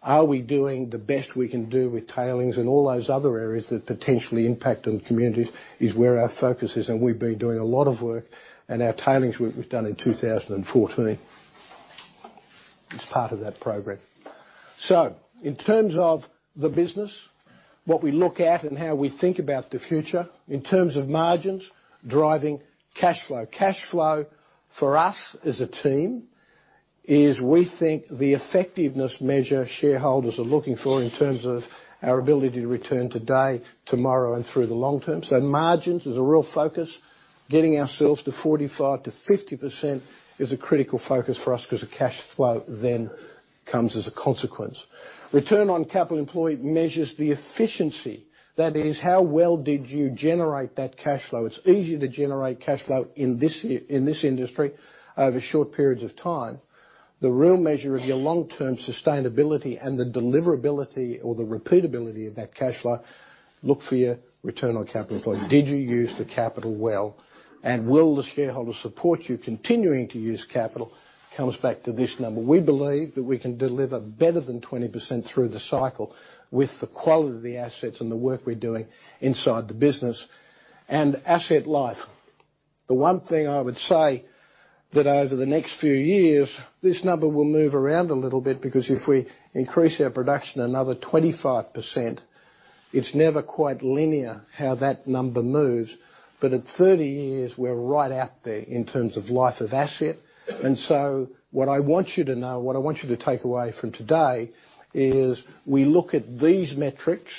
Are we doing the best we can do with tailings and all those other areas that potentially impact on communities is where our focus is. We've been doing a lot of work. Our tailings work we've done in 2014. It's part of that program. In terms of the business, what we look at and how we think about the future, in terms of margins, driving cash flow. Cash flow, for us as a team is, we think, the effectiveness measure shareholders are looking for in terms of our ability to return today, tomorrow, and through the long term. Margins is a real focus. Getting ourselves to 45%-50% is a critical focus for us because the cash flow then comes as a consequence. Return on Capital Employed measures the efficiency. That is, how well did you generate that cash flow? It's easy to generate cash flow in this industry over short periods of time. The real measure of your long-term sustainability and the deliverability or the repeatability of that cash flow, look for your Return on Capital Employed. Did you use the capital well? Will the shareholder support you continuing to use capital comes back to this number. We believe that we can deliver better than 20% through the cycle with the quality of the assets and the work we're doing inside the business. Asset life. The one thing I would say that over the next few years, this number will move around a little bit because if we increase our production another 25%, it's never quite linear how that number moves. At 30 years, we're right out there in terms of life of asset. What I want you to know, what I want you to take away from today is we look at these metrics,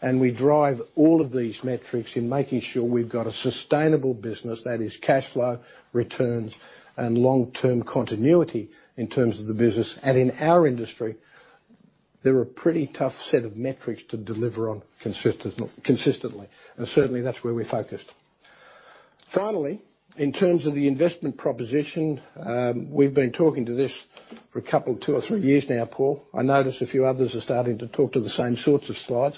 and we drive all of these metrics in making sure we've got a sustainable business, that is cash flow, returns, and long-term continuity in terms of the business. In our industry, they're a pretty tough set of metrics to deliver on consistently. Certainly, that's where we're focused. Finally, in terms of the investment proposition, we've been talking to this for a couple, two or three years now, Paul. I notice a few others are starting to talk to the same sorts of slides.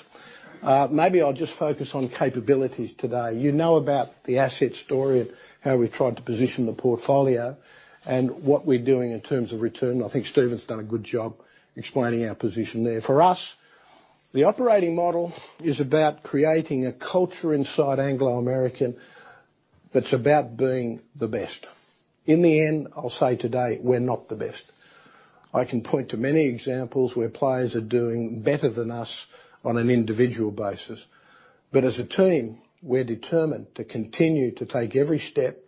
Maybe I'll just focus on capabilities today. You know about the asset story, how we've tried to position the portfolio, and what we're doing in terms of return. I think Stephen's done a good job explaining our position there. For us, the operating model is about creating a culture inside Anglo American that's about being the best. In the end, I'll say today, we're not the best. I can point to many examples where players are doing better than us on an individual basis. As a team, we're determined to continue to take every step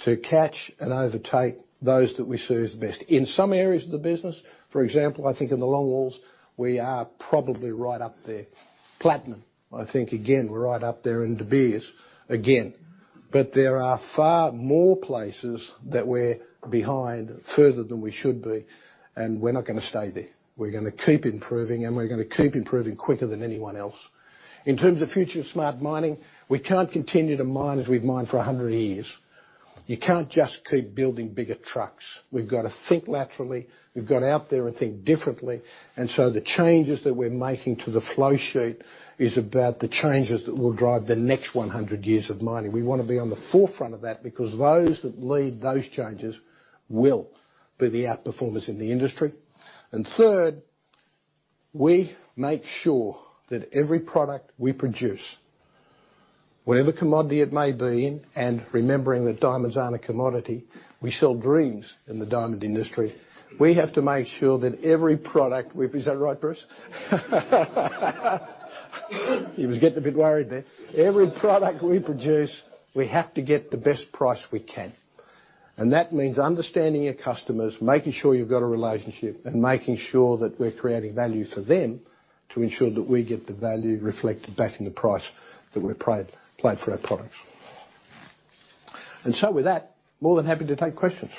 to catch and overtake those that we see as the best. In some areas of the business, for example, I think in the longwalls, we are probably right up there. Platinum, I think, again, we're right up there in De Beers, again. There are far more places that we're behind further than we should be, and we're not going to stay there. We're going to keep improving and we're going to keep improving quicker than anyone else. In terms of FutureSmart Mining, we can't continue to mine as we've mined for 100 years. You can't just keep building bigger trucks. We've got to think laterally. We've got to get out there and think differently. The changes that we're making to the flow sheet is about the changes that will drive the next 100 years of mining. We want to be on the forefront of that because those that lead those changes will be the out-performers in the industry. Third, we make sure that every product we produce, whatever commodity it may be in, and remembering that diamonds aren't a commodity, we sell dreams in the diamond industry. We have to make sure that. Is that right, Bruce? He was getting a bit worried there. Every product we produce, we have to get the best price we can. That means understanding your customers, making sure you've got a relationship, and making sure that we're creating value for them to ensure that we get the value reflected back in the price that we're paid for our products. With that, more than happy to take questions.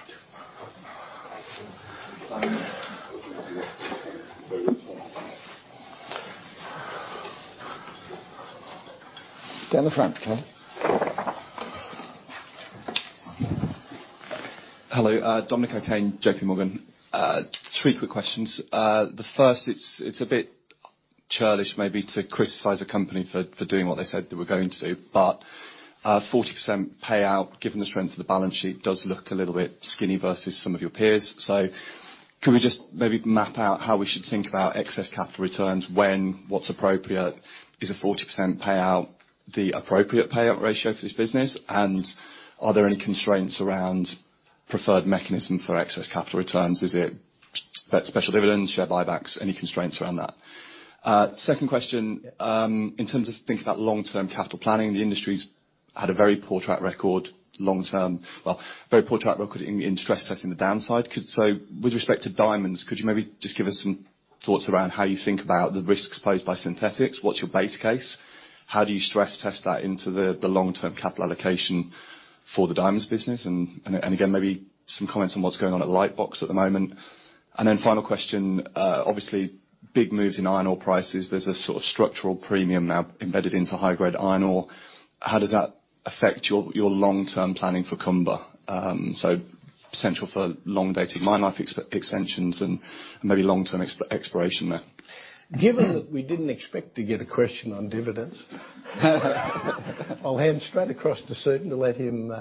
Down the front. Hello. Dominic O'Kane, J.P. Morgan. Three quick questions. The first, it's a bit churlish maybe to criticize a company for doing what they said they were going to, but a 40% payout, given the strength of the balance sheet, does look a little bit skinny versus some of your peers. Can we just maybe map out how we should think about excess capital returns, when, what's appropriate? Is a 40% payout the appropriate payout ratio for this business? Are there any constraints around preferred mechanism for excess capital returns? Is it special dividends, share buybacks? Any constraints around that? Second question, in terms of thinking about long-term capital planning, the industry's had a very poor track record long-term. Well, a very poor track record in stress testing the downside. With respect to diamonds, could you maybe just give us some thoughts around how you think about the risks posed by synthetics? What's your base case? How do you stress test that into the long-term capital allocation for the diamonds business? Again, maybe some comments on what's going on at Lightbox at the moment. Then final question, obviously, big moves in iron ore prices. There's a sort of structural premium now embedded into high-grade iron ore. How does that affect your long-term planning for Kumba? Potential for long-dated mine life extensions and maybe long-term exploration there. Given that we didn't expect to get a question on dividends. I'll hand straight across to Stephen to let him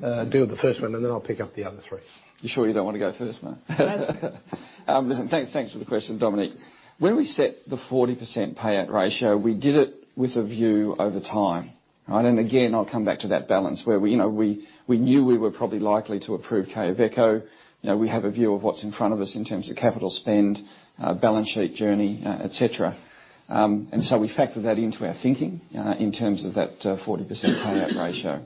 do the first one, then I'll pick up the other three. You sure you don't want to go first, man? No, that's okay. Listen, thanks for the question, Dominic. When we set the 40% payout ratio, we did it with a view over time. Again, I'll come back to that balance where we knew we were probably likely to approve Quellaveco. We have a view of what's in front of us in terms of capital spend, balance sheet journey, et cetera. So we factored that into our thinking in terms of that 40% payout ratio.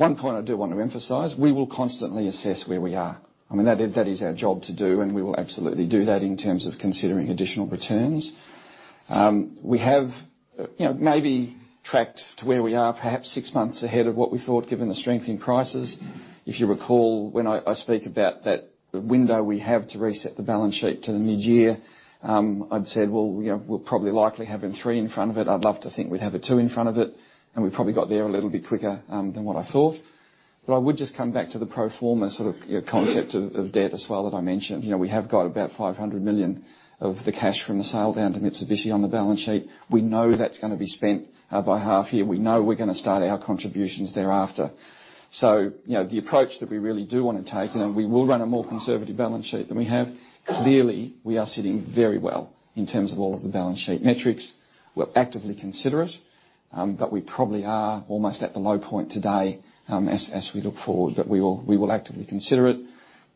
One point I do want to emphasize, we will constantly assess where we are. I mean, that is our job to do, and we will absolutely do that in terms of considering additional returns. We have maybe tracked to where we are perhaps six months ahead of what we thought, given the strength in prices. If you recall, when I speak about that window we have to reset the balance sheet to the mid-year, I had said, "Well, we'll probably likely have a 3 in front of it. I'd love to think we'd have a 2 in front of it," and we probably got there a little bit quicker than what I thought. I would just come back to the pro forma concept of debt as well that I mentioned. We have got about $500 million of the cash from the sale down to Mitsubishi on the balance sheet. We know that's going to be spent by half year. We know we're going to start our contributions thereafter. The approach that we really do want to take, and we will run a more conservative balance sheet than we have. Clearly, we are sitting very well in terms of all of the balance sheet metrics. We'll actively consider it, but we probably are almost at the low point today as we look forward. We will actively consider it.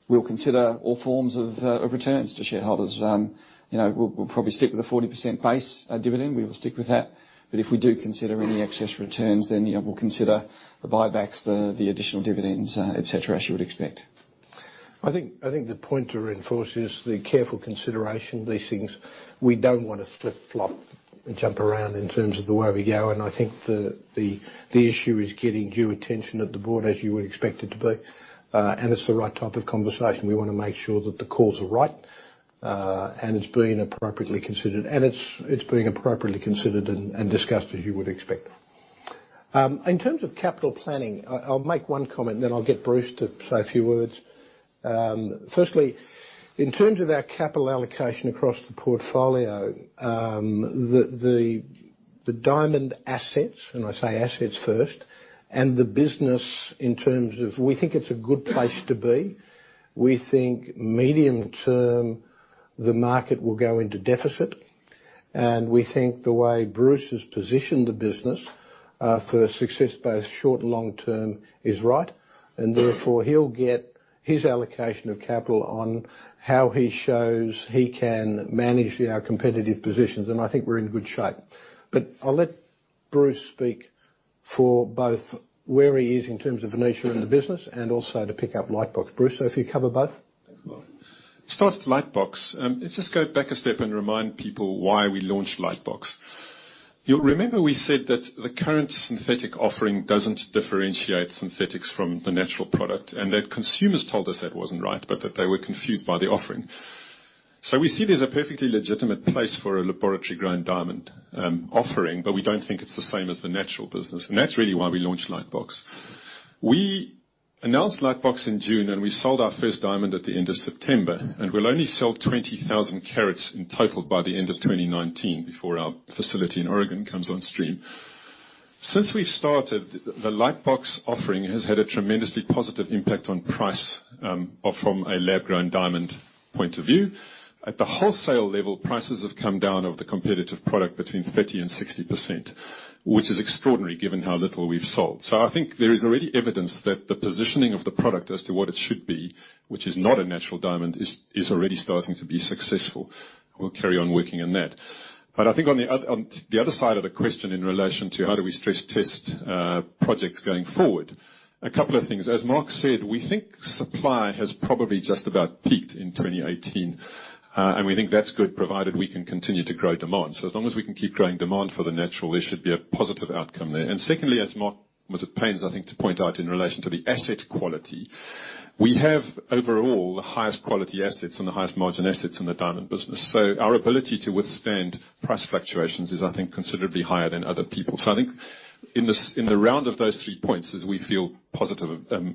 We'll consider all forms of returns to shareholders. We'll probably stick with a 40% base dividend. We will stick with that. If we do consider any excess returns, we'll consider the buybacks, the additional dividends, et cetera, as you would expect. I think the point to reinforce is the careful consideration of these things. We don't want to flip-flop and jump around in terms of the way we go, and I think the issue is getting due attention at the board, as you would expect it to be. It's the right type of conversation. We want to make sure that the calls are right, and it's being appropriately considered. It's being appropriately considered and discussed as you would expect. In terms of capital planning, I'll make one comment, then I'll get Bruce to say a few words. Firstly, in terms of our capital allocation across the portfolio, the diamond assets, and I say assets first, and the business in terms of we think it's a good place to be. We think medium-term, the market will go into deficit, and we think the way Bruce has positioned the business for success, both short and long term, is right, and therefore, he'll get his allocation of capital on how he shows he can manage our competitive positions. I think we're in good shape. I'll let Bruce speak for both where he is in terms of Venetia and the business and also to pick up Lightbox. Bruce, if you cover both. Thanks, Mark. Start with Lightbox. Let's just go back a step and remind people why we launched Lightbox. You'll remember we said that the current synthetic offering doesn't differentiate synthetics from the natural product, and that consumers told us that wasn't right, but that they were confused by the offering. We see there's a perfectly legitimate place for a laboratory-grown diamond offering, but we don't think it's the same as the natural business. That's really why we launched Lightbox. We announced Lightbox in June, and we sold our first diamond at the end of September, and we'll only sell 20,000 carats in total by the end of 2019 before our facility in Oregon comes on stream. Since we've started, the Lightbox offering has had a tremendously positive impact on price from a lab-grown diamond point of view. At the wholesale level, prices have come down of the competitive product between 30%-60%, which is extraordinary given how little we've sold. I think there is already evidence that the positioning of the product as to what it should be, which is not a natural diamond, is already starting to be successful. We'll carry on working on that. I think on the other side of the question in relation to how do we stress test projects going forward, a couple of things. As Mark said, we think supply has probably just about peaked in 2018, and we think that's good, provided we can continue to grow demand. As long as we can keep growing demand for the natural, there should be a positive outcome there. Secondly, as Mark was at pains, I think, to point out in relation to the asset quality, we have overall the highest quality assets and the highest margin assets in the diamond business. Our ability to withstand price fluctuations is, I think, considerably higher than other people's. I think in the round of those three points is we feel positive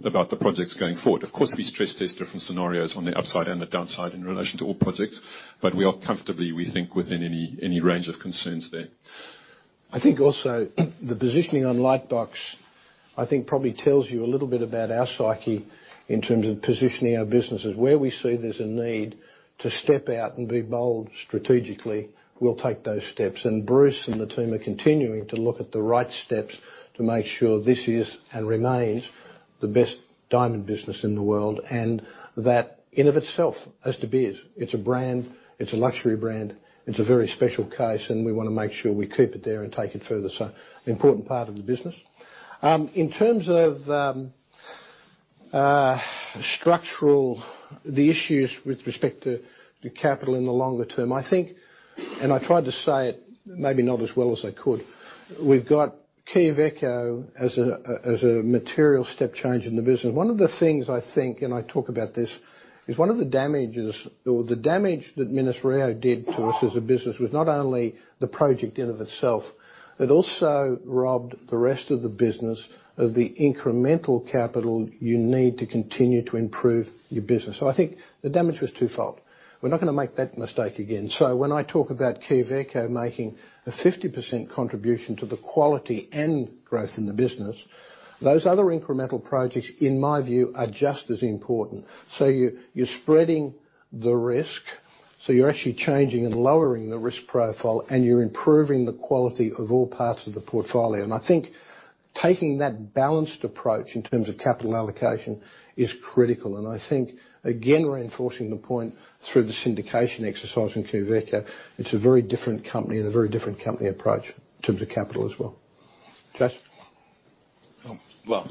about the projects going forward. Of course, we stress test different scenarios on the upside and the downside in relation to all projects, but we are comfortably, we think, within any range of concerns there. I think also the positioning on Lightbox, I think probably tells you a little bit about our psyche in terms of positioning our businesses. Where we see there's a need to step out and be bold strategically, we'll take those steps. Bruce and the team are continuing to look at the right steps to make sure this is and remains the best diamond business in the world, and that in of itself has to be it. It's a brand, it's a luxury brand, it's a very special case, and we want to make sure we keep it there and take it further. An important part of the business. In terms of structural, the issues with respect to the capital in the longer term, I think, and I tried to say it maybe not as well as I could. We've got Quellaveco as a material step change in the business. One of the things I think, and I talk about this, is one of the damages or the damage that Minas-Rio did to us as a business was not only the project in and of itself, it also robbed the rest of the business of the incremental capital you need to continue to improve your business. I think the damage was twofold. We're not going to make that mistake again. When I talk about Quellaveco making a 50% contribution to the quality and growth in the business, those other incremental projects, in my view, are just as important. You're spreading the risk, you're actually changing and lowering the risk profile, and you're improving the quality of all parts of the portfolio. I think taking that balanced approach in terms of capital allocation is critical, I think, again, reinforcing the point through the syndication exercise in Quellaveco, it's a very different company and a very different company approach in terms of capital as well. Jason? Well,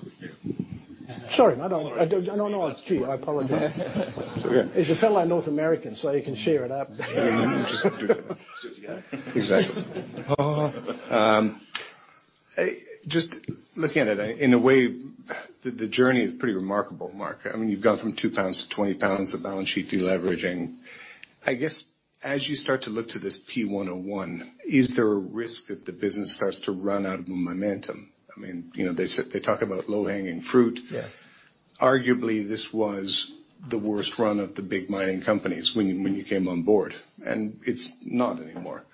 yeah. Sorry. I don't know it's two. I apologize. It's okay. He's a fellow North American, so you can share it up. Just do it together. Exactly. Just looking at it, in a way, the journey is pretty remarkable, Mark. I mean, you've gone from 2-20 pounds of balance sheet deleveraging. I guess as you start to look to this P-101, is there a risk that the business starts to run out of momentum? I mean, they talk about low-hanging fruit. Yeah. Arguably, this was the worst run of the big mining companies when you came on board, and it's not anymore.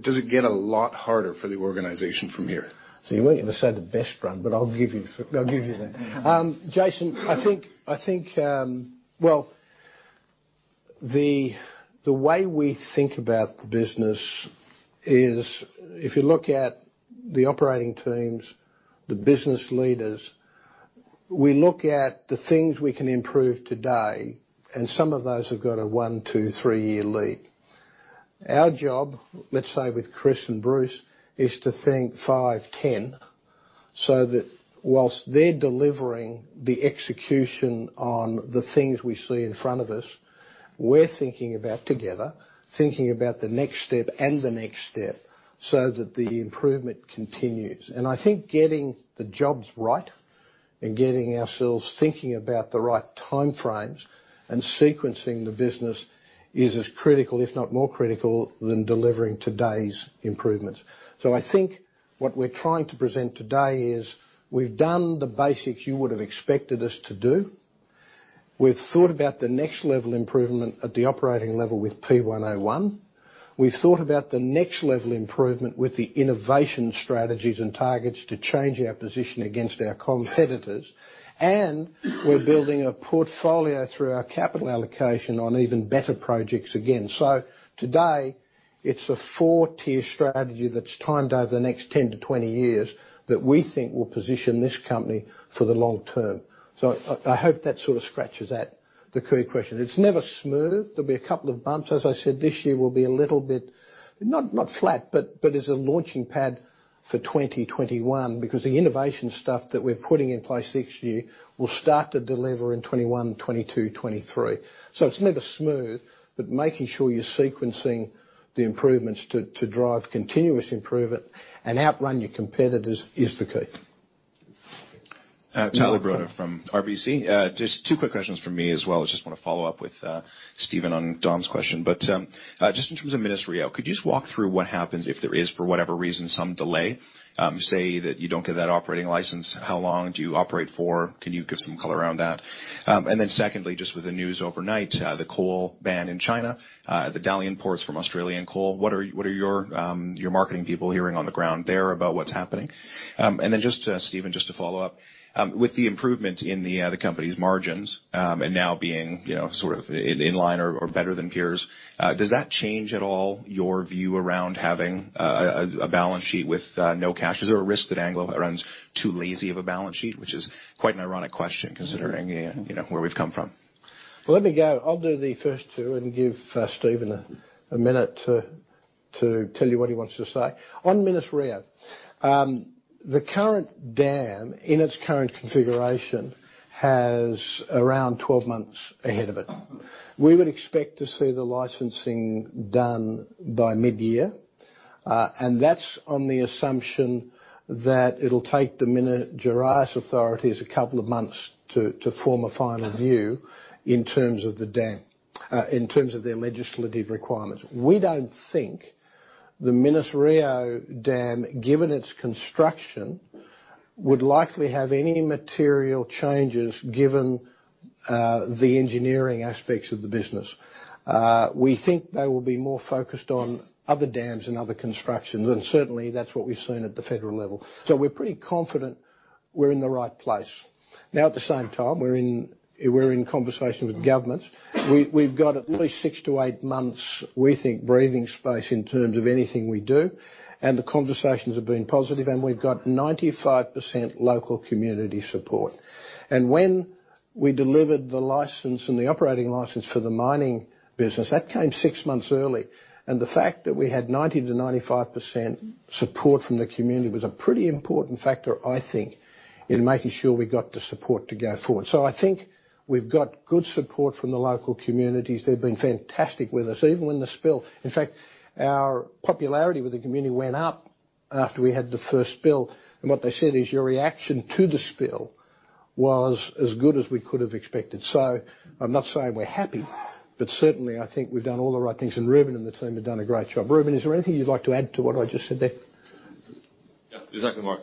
Does it get a lot harder for the organization from here? You weren't going to say the best run, but I'll give you that. Jason, I think the way we think about the business is if you look at the operating teams, the business leaders, we look at the things we can improve today, and some of those have got a one, two, three-year lead. Our job, let's say, with Chris and Bruce, is to think five, 10, so that whilst they're delivering the execution on the things we see in front of us, we're thinking about together, thinking about the next step and the next step so that the improvement continues. I think getting the jobs right and getting ourselves thinking about the right time frames and sequencing the business is as critical, if not more critical, than delivering today's improvements. I think what we're trying to present today is we've done the basics you would have expected us to do. We've thought about the next level improvement at the operating level with P101. We've thought about the next level improvement with the innovation strategies and targets to change our position against our competitors. We're building a portfolio through our capital allocation on even better projects again. Today, it's a 4-tier strategy that's timed over the next 10-20 years that we think will position this company for the long term. I hope that sort of scratches at the query question. It's never smooth. There'll be a couple of bumps. As I said, this year will be a little bit, not flat, but as a launching pad for 2021, because the innovation stuff that we're putting in place next year will start to deliver in 2021, 2022, 2023. It's never smooth, but making sure you're sequencing the improvements to drive continuous improvement and outrun your competitors is the key. Tyler Broda from RBC. Just two quick questions from me as well. I just want to follow up with Stephen on Dom's question. Just in terms of Minas-Rio, could you just walk through what happens if there is, for whatever reason, some delay? Say that you don't get that operating license, how long do you operate for? Can you give some color around that? Secondly, just with the news overnight, the coal ban in China. The Dalian ports from Australian coal. What are your marketing people hearing on the ground there about what's happening? Stephen, just to follow up. With the improvement in the company's margins, now being sort of in line or better than peers, does that change at all your view around having a balance sheet with no cash? Is there a risk that Anglo runs too lazy of a balance sheet? Which is quite an ironic question considering where we've come from. Let me go. I'll do the first two and give Stephen a minute to tell you what he wants to say. On Minas-Rio. The current dam, in its current configuration, has around 12 months ahead of it. We would expect to see the licensing done by mid-year. That's on the assumption that it'll take the Minas Gerais authorities a couple of months to form a final view in terms of the dam, in terms of their legislative requirements. We don't think the Minas-Rio dam, given its construction, would likely have any material changes given the engineering aspects of the business. We think they will be more focused on other dams and other constructions. Certainly, that's what we've seen at the federal level. We're pretty confident we're in the right place. At the same time, we're in conversation with governments. We've got at least six to eight months, we think, breathing space in terms of anything we do. The conversations have been positive. We've got 95% local community support. When we delivered the license and the operating license for the mining business, that came six months early. The fact that we had 90%-95% support from the community was a pretty important factor, I think, in making sure we got the support to go forward. I think we've got good support from the local communities. They've been fantastic with us, even when. In fact, our popularity with the community went up after we had the first spill. What they said is, "Your reaction to the spill was as good as we could have expected." I'm not saying we're happy, but certainly, I think we've done all the right things, and Ruben and the team have done a great job. Ruben, is there anything you'd like to add to what I just said there? Yeah. Exactly, Mark.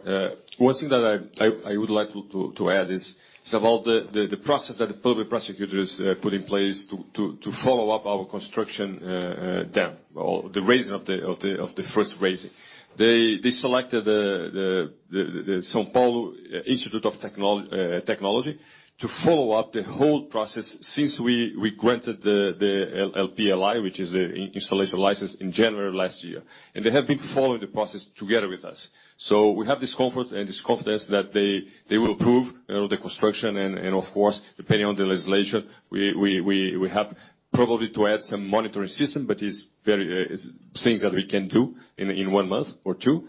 One thing that I would like to add is, it's about the process that the public prosecutors put in place to follow up our construction dam or the raising of the first raising. They selected the São Paulo Institute of Technology to follow up the whole process since we granted the LPLI, which is the installation license in January of last year. They have been following the process together with us. We have this comfort and this confidence that they will approve the construction and of course, depending on the legislation, we have probably to add some monitoring system, but it's things that we can do in one month or two.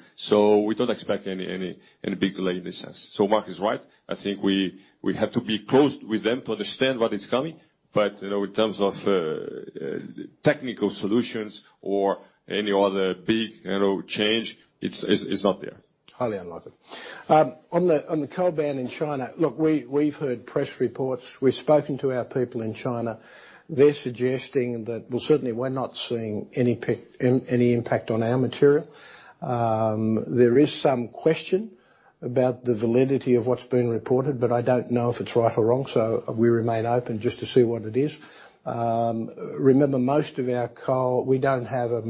We don't expect any big delay in this sense. Mark is right. I think we have to be close with them to understand what is coming. In terms of technical solutions or any other big change, it's not there. Highly unlikely. On the coal ban in China. Look, we've heard press reports. We've spoken to our people in China. They're suggesting that certainly, we're not seeing any impact on our material. There is some question about the validity of what's being reported, but I don't know if it's right or wrong. We remain open just to see what it is. Remember, most of our coal, we don't have a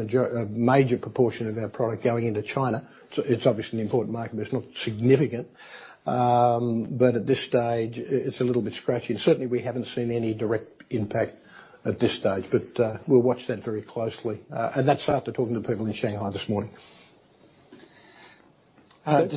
major proportion of our product going into China. It's obviously an important market, but it's not significant. At this stage, it's a little bit scratchy. Certainly, we haven't seen any direct impact at this stage. We'll watch that very closely. That's after talking to people in Shanghai this morning. As I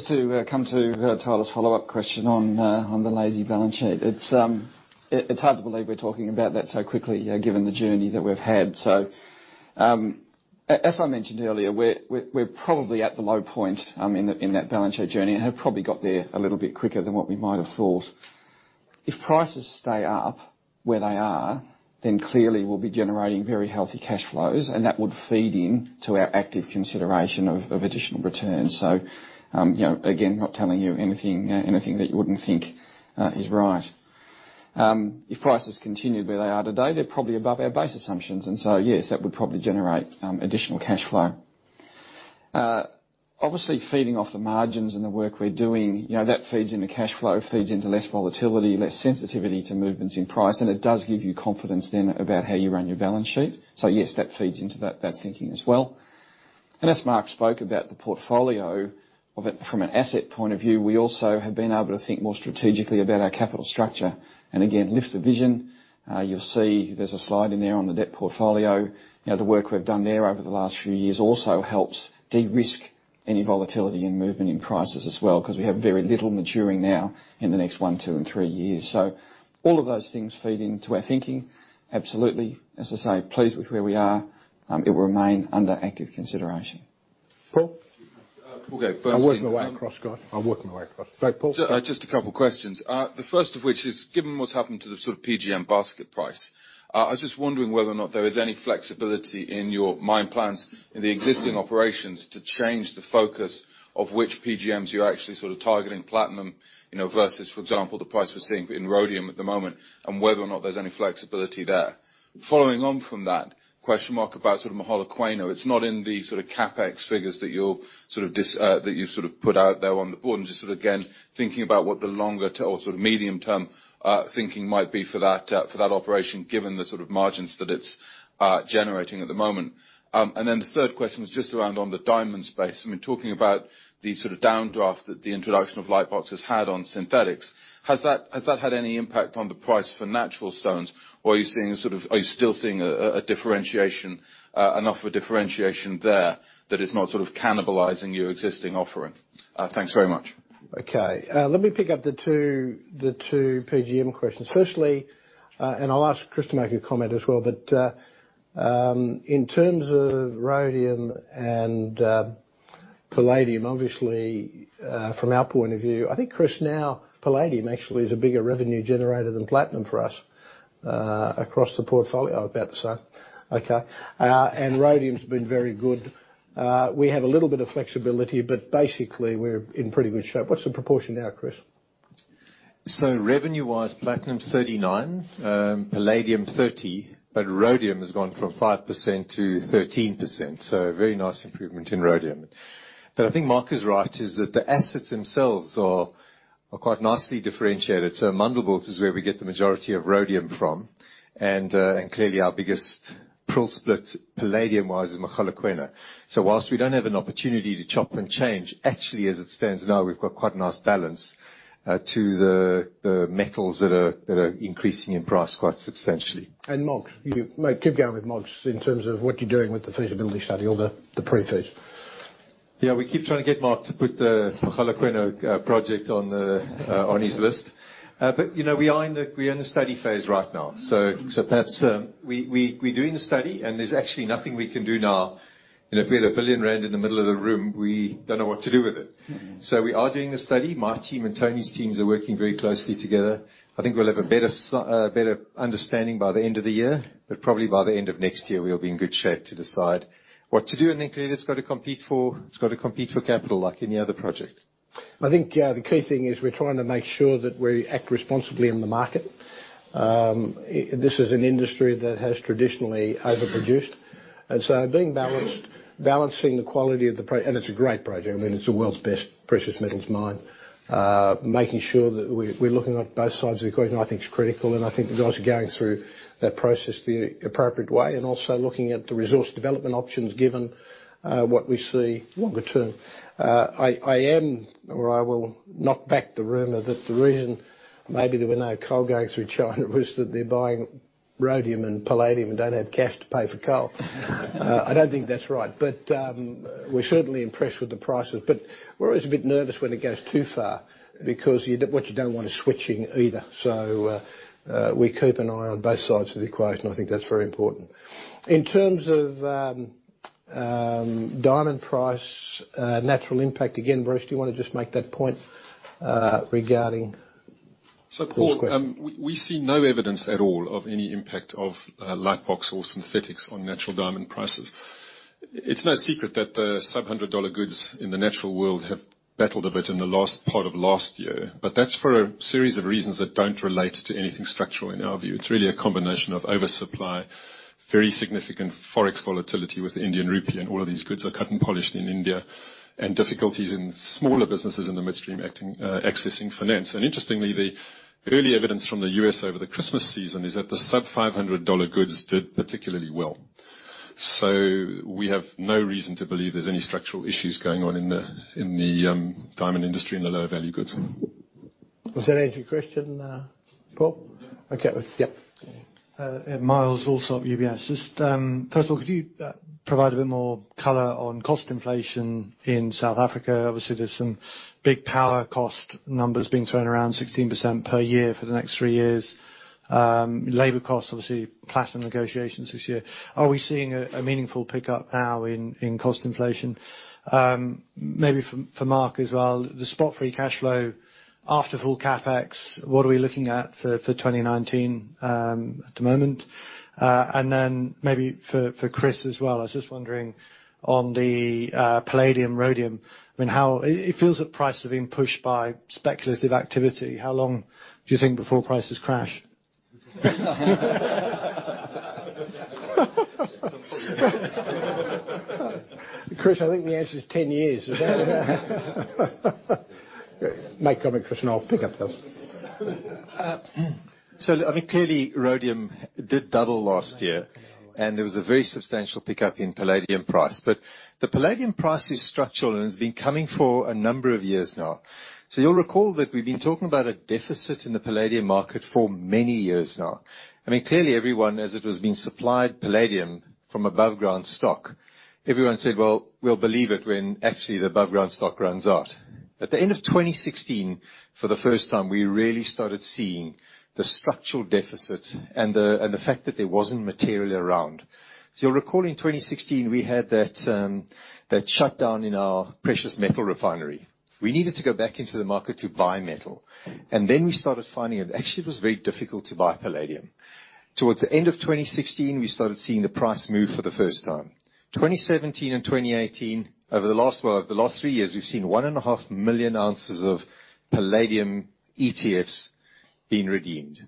mentioned earlier, we're probably at the low point in that balance sheet journey and have probably got there a little bit quicker than what we might have thought. If prices stay up where they are, then clearly we'll be generating very healthy cash flows, and that would feed into our active consideration of additional returns. Again, not telling you anything that you wouldn't think is right. If prices continue where they are today, they're probably above our base assumptions. Yes, that would probably generate additional cash flow. Obviously, feeding off the margins and the work we're doing, that feeds into cash flow, feeds into less volatility, less sensitivity to movements in price, and it does give you confidence then about how you run your balance sheet. Yes, that feeds into that thinking as well. As Mark spoke about the portfolio of it from an asset point of view, we also have been able to think more strategically about our capital structure and again, lift the vision. You'll see there's a slide in there on the debt portfolio. The work we've done there over the last few years also helps de-risk any volatility and movement in prices as well, because we have very little maturing now in the next one, two, and three years. All of those things feed into our thinking. Absolutely, as I say, pleased with where we are. It will remain under active consideration. Paul? Paul, go. I'm working my way across, Scott. I'm working my way across. Go, Paul. Just a couple of questions. The first of which is, given what's happened to the sort of PGM basket price, I was just wondering whether or not there is any flexibility in your mine plans in the existing operations to change the focus of which PGMs you're actually sort of targeting platinum, versus for example, the price we're seeing in rhodium at the moment, and whether or not there's any flexibility there. Following on from that, question mark about Mogalakwena. It's not in the CapEx figures that you've put out there on the board. Just again, thinking about what the longer or medium term thinking might be for that operation, given the margins that it's generating at the moment. Then the third question was just around on the diamond space. Talking about the sort of downdraft that the introduction of Lightbox has had on synthetics, has that had any impact on the price for natural stones? Are you still seeing enough of a differentiation there that is not cannibalizing your existing offering? Thanks very much. Okay. Let me pick up the two PGM questions. Firstly, I'll ask Chris to make a comment as well, but in terms of rhodium and palladium, obviously, from our point of view, I think Chris, now palladium actually is a bigger revenue generator than platinum for us across the portfolio. I would bet so. Okay. Rhodium's been very good. We have a little bit of flexibility, but basically we're in pretty good shape. What's the proportion now, Chris? revenue-wise, platinum's 39%, palladium 30%, rhodium has gone from 5% to 13%. A very nice improvement in rhodium. I think Mark is right, is that the assets themselves are quite nicely differentiated. Amandebult is where we get the majority of rhodium from. Clearly, our biggest prill split palladium-wise is Mogalakwena. Whilst we don't have an opportunity to chop and change, actually, as it stands now, we've got quite a nice balance to the metals that are increasing in price quite substantially. Mog. Mate, keep going with Mog just in terms of what you're doing with the feasibility study or the pre-feasibility. we keep trying to get Mark to put the Mogalakwena project on his list. We are in the study phase right now. We're doing a study, there's actually nothing we can do now. If we had 1 billion rand in the middle of the room, we don't know what to do with it. We are doing a study. My team and Tony's teams are working very closely together. I think we'll have a better understanding by the end of the year. Probably by the end of next year, we'll be in good shape to decide what to do, clearly it's got to compete for capital like any other project. I think the key thing is we're trying to make sure that we act responsibly in the market. This is an industry that has traditionally overproduced, being balanced, balancing the quality of the project, it's a great project. It's the world's best precious metals mine. Making sure that we're looking at both sides of the equation, I think is critical, I think the guys are going through that process the appropriate way also looking at the resource development options given what we see longer term. I am, or I will knock back the rumor that the reason maybe there were no coal going through China was that they're buying rhodium and palladium and don't have cash to pay for coal. I don't think that's right. We're certainly impressed with the prices. We're always a bit nervous when it goes too far because what you don't want is switching either. We keep an eye on both sides of the equation. I think that's very important. In terms of diamond price, natural impact, again, Bruce, do you want to just make that point regarding Paul's question? Paul, we see no evidence at all of any impact of Lightbox or synthetics on natural diamond prices. It's no secret that the sub-$100 goods in the natural world have battled a bit in the last part of last year. That's for a series of reasons that don't relate to anything structural in our view. It's really a combination of oversupply, very significant Forex volatility with the Indian rupee, and all of these goods are cut and polished in India, and difficulties in smaller businesses in the midstream accessing finance. Interestingly, the early evidence from the U.S. over the Christmas season is that the sub-$500 goods did particularly well. We have no reason to believe there's any structural issues going on in the diamond industry in the lower value goods. Was there any other question, Paul? Okay. Yep. Ed Miles, also UBS. First of all, could you provide a bit more color on cost inflation in South Africa? Obviously, there's some big power cost numbers being thrown around 16% per year for the next 3 years. Labor costs, obviously platinum negotiations this year. Are we seeing a meaningful pickup now in cost inflation? Maybe for Mark as well, the spot free cash flow after full CapEx, what are we looking at for 2019 at the moment? Then maybe for Chris as well, I was just wondering on the palladium, rhodium, I mean, it feels that price has been pushed by speculative activity. How long do you think before prices crash? Chris, I think the answer is 10 years. Is that Make a comment, Chris, and I'll pick up those. Clearly rhodium did double last year. There was a very substantial pickup in palladium price. The palladium price is structural, and it's been coming for a number of years now. You'll recall that we've been talking about a deficit in the palladium market for many years now. Clearly everyone, as it was being supplied palladium from above ground stock, everyone said, "Well, we'll believe it when actually the above ground stock runs out." At the end of 2016, for the first time, we really started seeing the structural deficit and the fact that there wasn't material around. You'll recall in 2016 we had that shutdown in our precious metal refinery. We needed to go back into the market to buy metal. Then we started finding it actually was very difficult to buy palladium. Towards the end of 2016, we started seeing the price move for the first time. 2017 and 2018, over the last, well, the last three years, we've seen 1.5 million ounces of palladium ETFs being redeemed.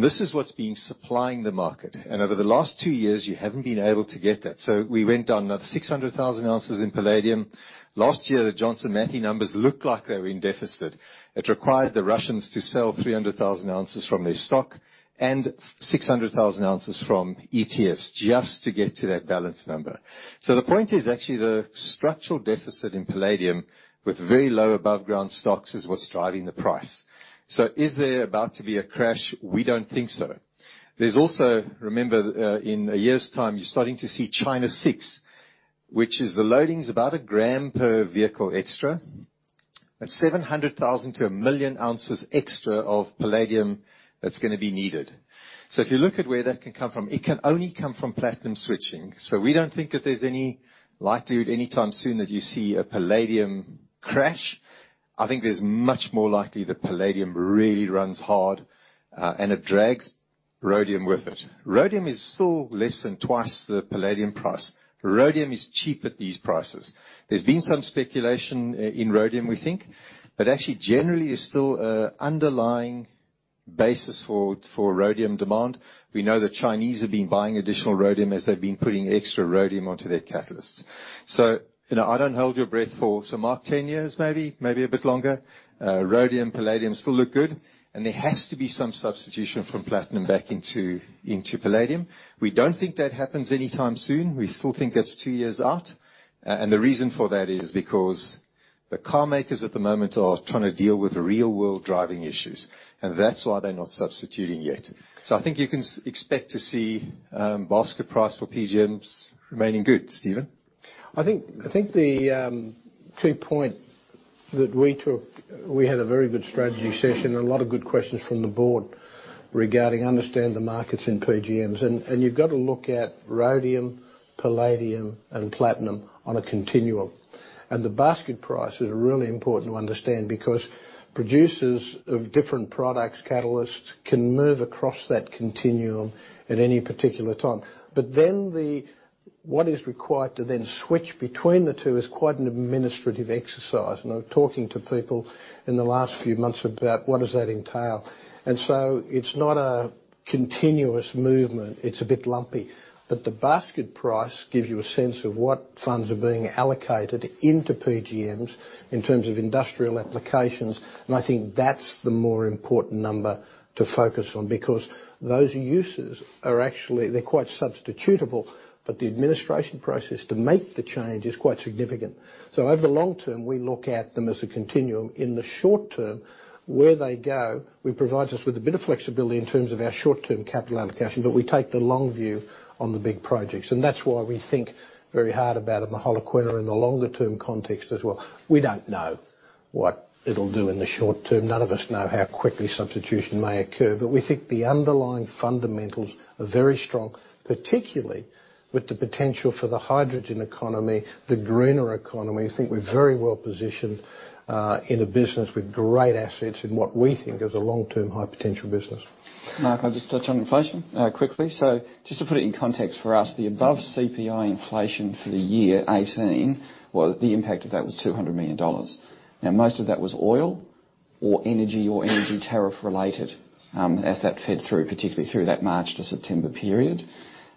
This is what's been supplying the market. Over the last two years, you haven't been able to get that. We went down another 600,000 ounces in palladium. Last year, the Johnson Matthey numbers looked like they were in deficit. It required the Russians to sell 300,000 ounces from their stock and 600,000 ounces from ETFs just to get to that balance number. The point is actually the structural deficit in palladium with very low above ground stocks is what's driving the price. Is there about to be a crash? We don't think so. There's also, remember, in a year's time you're starting to see China 6, which is the loading's about a gram per vehicle extra. That's 700,000 to 1 million ounces extra of palladium that's going to be needed. If you look at where that can come from, it can only come from platinum switching. We don't think that there's any likelihood anytime soon that you see a palladium crash. I think there's much more likely that palladium really runs hard, and it drags rhodium with it. Rhodium is still less than twice the palladium price. Rhodium is cheap at these prices. There's been some speculation in rhodium, we think, but actually generally is still an underlying basis for rhodium demand. We know the Chinese have been buying additional rhodium as they've been putting extra rhodium onto their catalysts. You know, I don't hold your breath for, Mark, 10 years, maybe? Maybe a bit longer. Rhodium, palladium still look good, and there has to be some substitution from platinum back into palladium. We don't think that happens anytime soon. We still think that's 2 years out. The reason for that is because the car makers at the moment are trying to deal with real world driving issues, and that's why they're not substituting yet. I think you can expect to see basket price for PGMs remaining good. Stephen? I think the key point that we took, we had a very good strategy session and a lot of good questions from the board regarding understand the markets in PGMs. You've got to look at rhodium, palladium, and platinum on a continuum. The basket price is really important to understand because producers of different products, catalysts can move across that continuum at any particular time. What is required to then switch between the two is quite an administrative exercise. I'm talking to people in the last few months about what does that entail. It's not a continuous movement. It's a bit lumpy. The basket price gives you a sense of what funds are being allocated into PGMs in terms of industrial applications. I think that's the more important number to focus on because those uses are actually, they're quite substitutable, but the administration process to make the change is quite significant. Over the long term, we look at them as a continuum. In the short term, where they go, we provides us with a bit of flexibility in terms of our short-term capital allocation, but we take the long view on the big projects. That's why we think very hard about them, the whole concept in the longer term context as well. We don't know what it'll do in the short term. None of us know how quickly substitution may occur, but we think the underlying fundamentals are very strong, particularly with the potential for the hydrogen economy, the greener economy. We think we're very well positioned in a business with great assets in what we think is a long-term high potential business. Mark, I'll just touch on inflation quickly. Just to put it in context for us, the above CPI inflation for the year 2018 was, the impact of that was $200 million. Now, most of that was oil or energy, or energy tariff-related, as that fed through, particularly through that March to September period.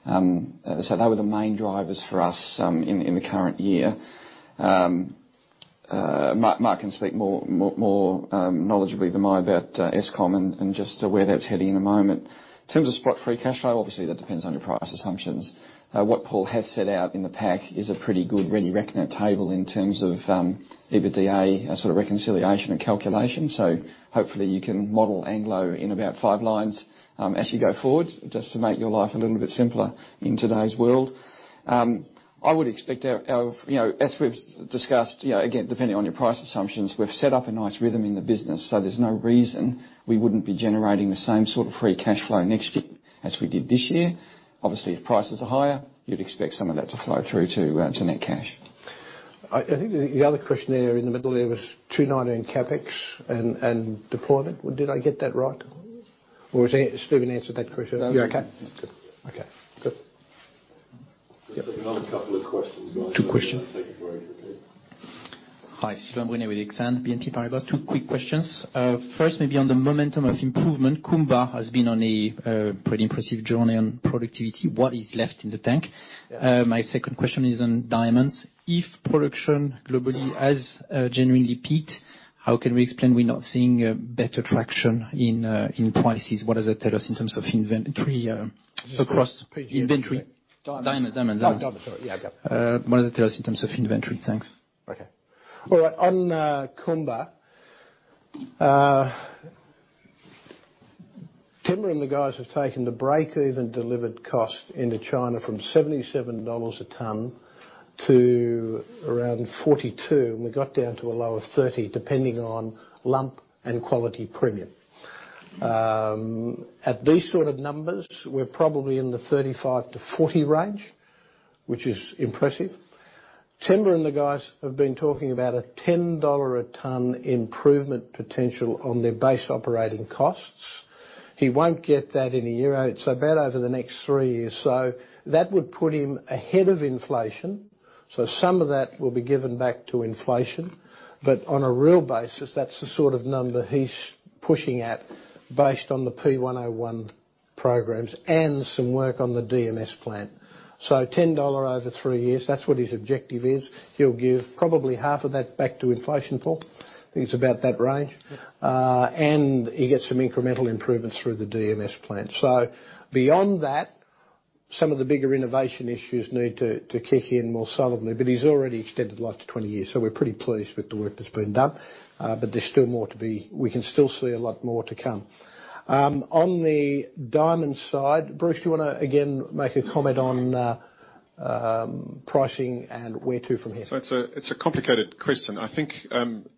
They were the main drivers for us in the current year. Mark can speak more knowledgeably than I about Eskom and just where that's heading in a moment. In terms of spot free cash flow, obviously that depends on your price assumptions. What Paul has set out in the pack is a pretty good ready reckoner table in terms of EBITDA, a sort of reconciliation and calculation. Hopefully you can model Anglo in about five lines, as you go forward just to make your life a little bit simpler in today's world. I would expect You know, as we've discussed, you know, again, depending on your price assumptions, we've set up a nice rhythm in the business, so there's no reason we wouldn't be generating the same sort of free cash flow next year as we did this year. Obviously, if prices are higher, you'd expect some of that to flow through to net cash. I think the other question there in the middle there was 219 CapEx and deployment. Did I get that right? Yes. Has anyone answered that question? That was me. You okay? Good. Yep. There's another couple of questions. Two questions. Thank you very much indeed. Hi, Sylvain Brunet with Exane BNP Paribas. Two quick questions. First, maybe on the momentum of improvement. Kumba has been on a pretty impressive journey on productivity. What is left in the tank? Yeah. My second question is on diamonds. If production globally has generally peaked, how can we explain we're not seeing a better traction in prices? What does it tell us in terms of inventory? Which- Inventory. Diamonds. Diamonds, diamonds. Oh, diamonds, sorry. Yeah. What does it tell us in terms of inventory? Thanks. Okay. All right. On Kumba, Themba and the guys have taken the break-even delivered cost into China from $77 a ton to around $42, and we got down to a low of $30, depending on lump and quality premium. At these sort of numbers, we're probably in the $35-$40 range, which is impressive. Themba and the guys have been talking about a $10 a ton improvement potential on their base operating costs. He won't get that in a year, over the next 3 years. That would put him ahead of inflation. Some of that will be given back to inflation. On a real basis, that's the sort of number he's pushing at based on the P101 programs and some work on the DMS plant. $10 over 3 years, that's what his objective is. He'll give probably half of that back to inflation for. I think it's about that range. Yep. He gets some incremental improvements through the DMS plant. Beyond that, some of the bigger innovation issues need to kick in more solidly, he's already extended the life to 20 years, we're pretty pleased with the work that's been done. We can still see a lot more to come. On the diamond side, Bruce, do you want to, again, make a comment on pricing and where to from here? It's a complicated question. I think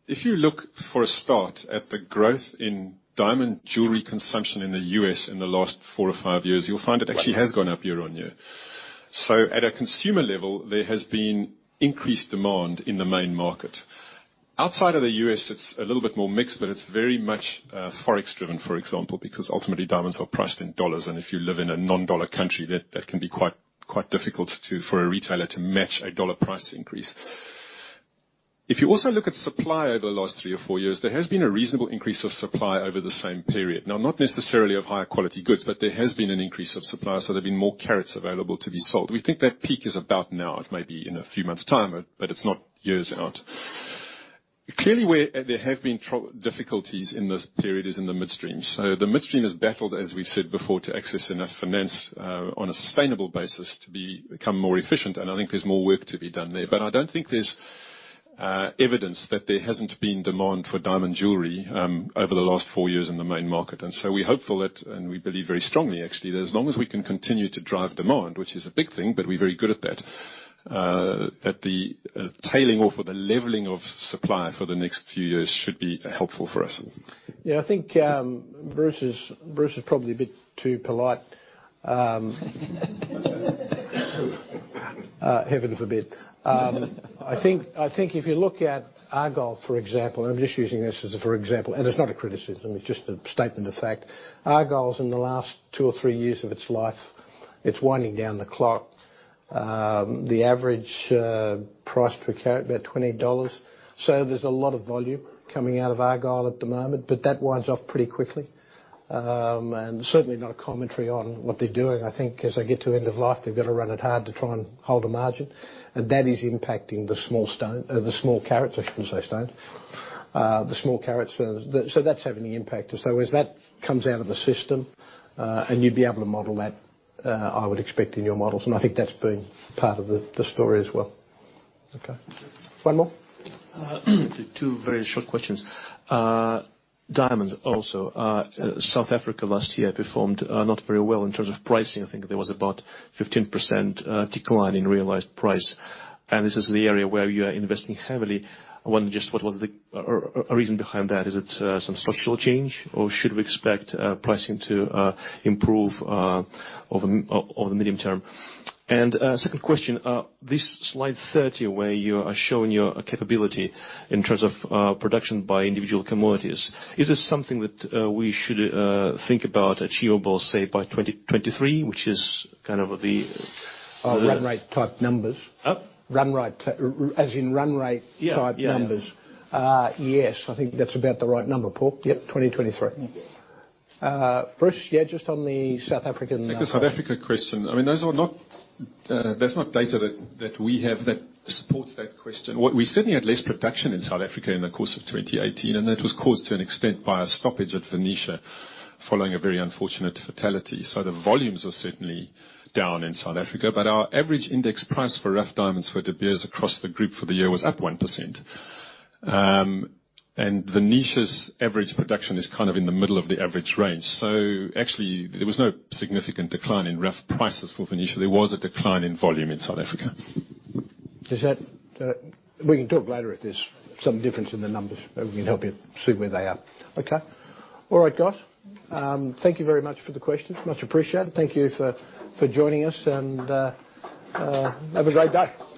if you look for a start at the growth in diamond jewelry consumption in the U.S. in the last 4 or 5 years. Right You'll find it actually has gone up year-on-year. At a consumer level, there has been increased demand in the main market. Outside of the U.S., it's a little bit more mixed, but it's very much Forex driven, for example, because ultimately diamonds are priced in dollars, and if you live in a non-dollar country, that can be quite difficult for a retailer to match a dollar price increase. If you also look at supply over the last 3 or 4 years, there has been a reasonable increase of supply over the same period. Not necessarily of higher quality goods, but there has been an increase of supply, so there's been more carats available to be sold. We think that peak is about now. It may be in a few months' time, but it's not years out. Clearly, where there have been difficulties in this period is in the midstream. The midstream has battled, as we've said before, to access enough finance on a sustainable basis to become more efficient, and I think there's more work to be done there. I don't think there's evidence that there hasn't been demand for diamond jewelry over the last 4 years in the main market. We're hopeful that, and we believe very strongly actually, that as long as we can continue to drive demand, which is a big thing, but we're very good at that the tailing off or the leveling of supply for the next few years should be helpful for us. I think Bruce is probably a bit too polite. Heaven forbid. I think if you look at Argyle, for example, and I'm just using this as for example, and it's not a criticism, it's just a statement of fact. Argyle's in the last 2 or 3 years of its life. It's winding down the clock. The average price per carat, about $28. There's a lot of volume coming out of Argyle at the moment, but that winds off pretty quickly. Certainly not a commentary on what they're doing. I think as they get to end of life, they've got to run it hard to try and hold a margin. That is impacting the small carats, I shouldn't say stone. The small carats. That's having an impact. That comes out of the system, and you'd be able to model that, I would expect in your models, and I think that's been part of the story as well. Okay. One more. Two very short questions. Diamonds also. South Africa last year performed not very well in terms of pricing. I think there was about 15% decline in realized price, and this is the area where you are investing heavily. I wonder just what was the reason behind that. Is it some structural change, or should we expect pricing to improve over the medium term? Second question, this slide 30, where you are showing your capability in terms of production by individual commodities. Is this something that we should think about achievable, say, by 2023, which is kind of the- Run rate type numbers. Huh? Run rate. As in run rate type numbers. Yeah. Yes, I think that's about the right number, Paul. Yep, 2023. Okay. Bruce, yeah, just on the South African. I'll take the South Africa question. That's not data that we have that supports that question. We certainly had less production in South Africa in the course of 2018, and that was caused to an extent by a stoppage at Venetia following a very unfortunate fatality. The volumes are certainly down in South Africa, but our average index price for rough diamonds for De Beers across the group for the year was up 1%. Venetia's average production is kind of in the middle of the average range. Actually, there was no significant decline in rough prices for Venetia. There was a decline in volume in South Africa. We can talk later if there's some difference in the numbers. We can help you see where they are. Okay? All right, guys. Thank you very much for the questions. Much appreciated. Thank you for joining us and have a great day.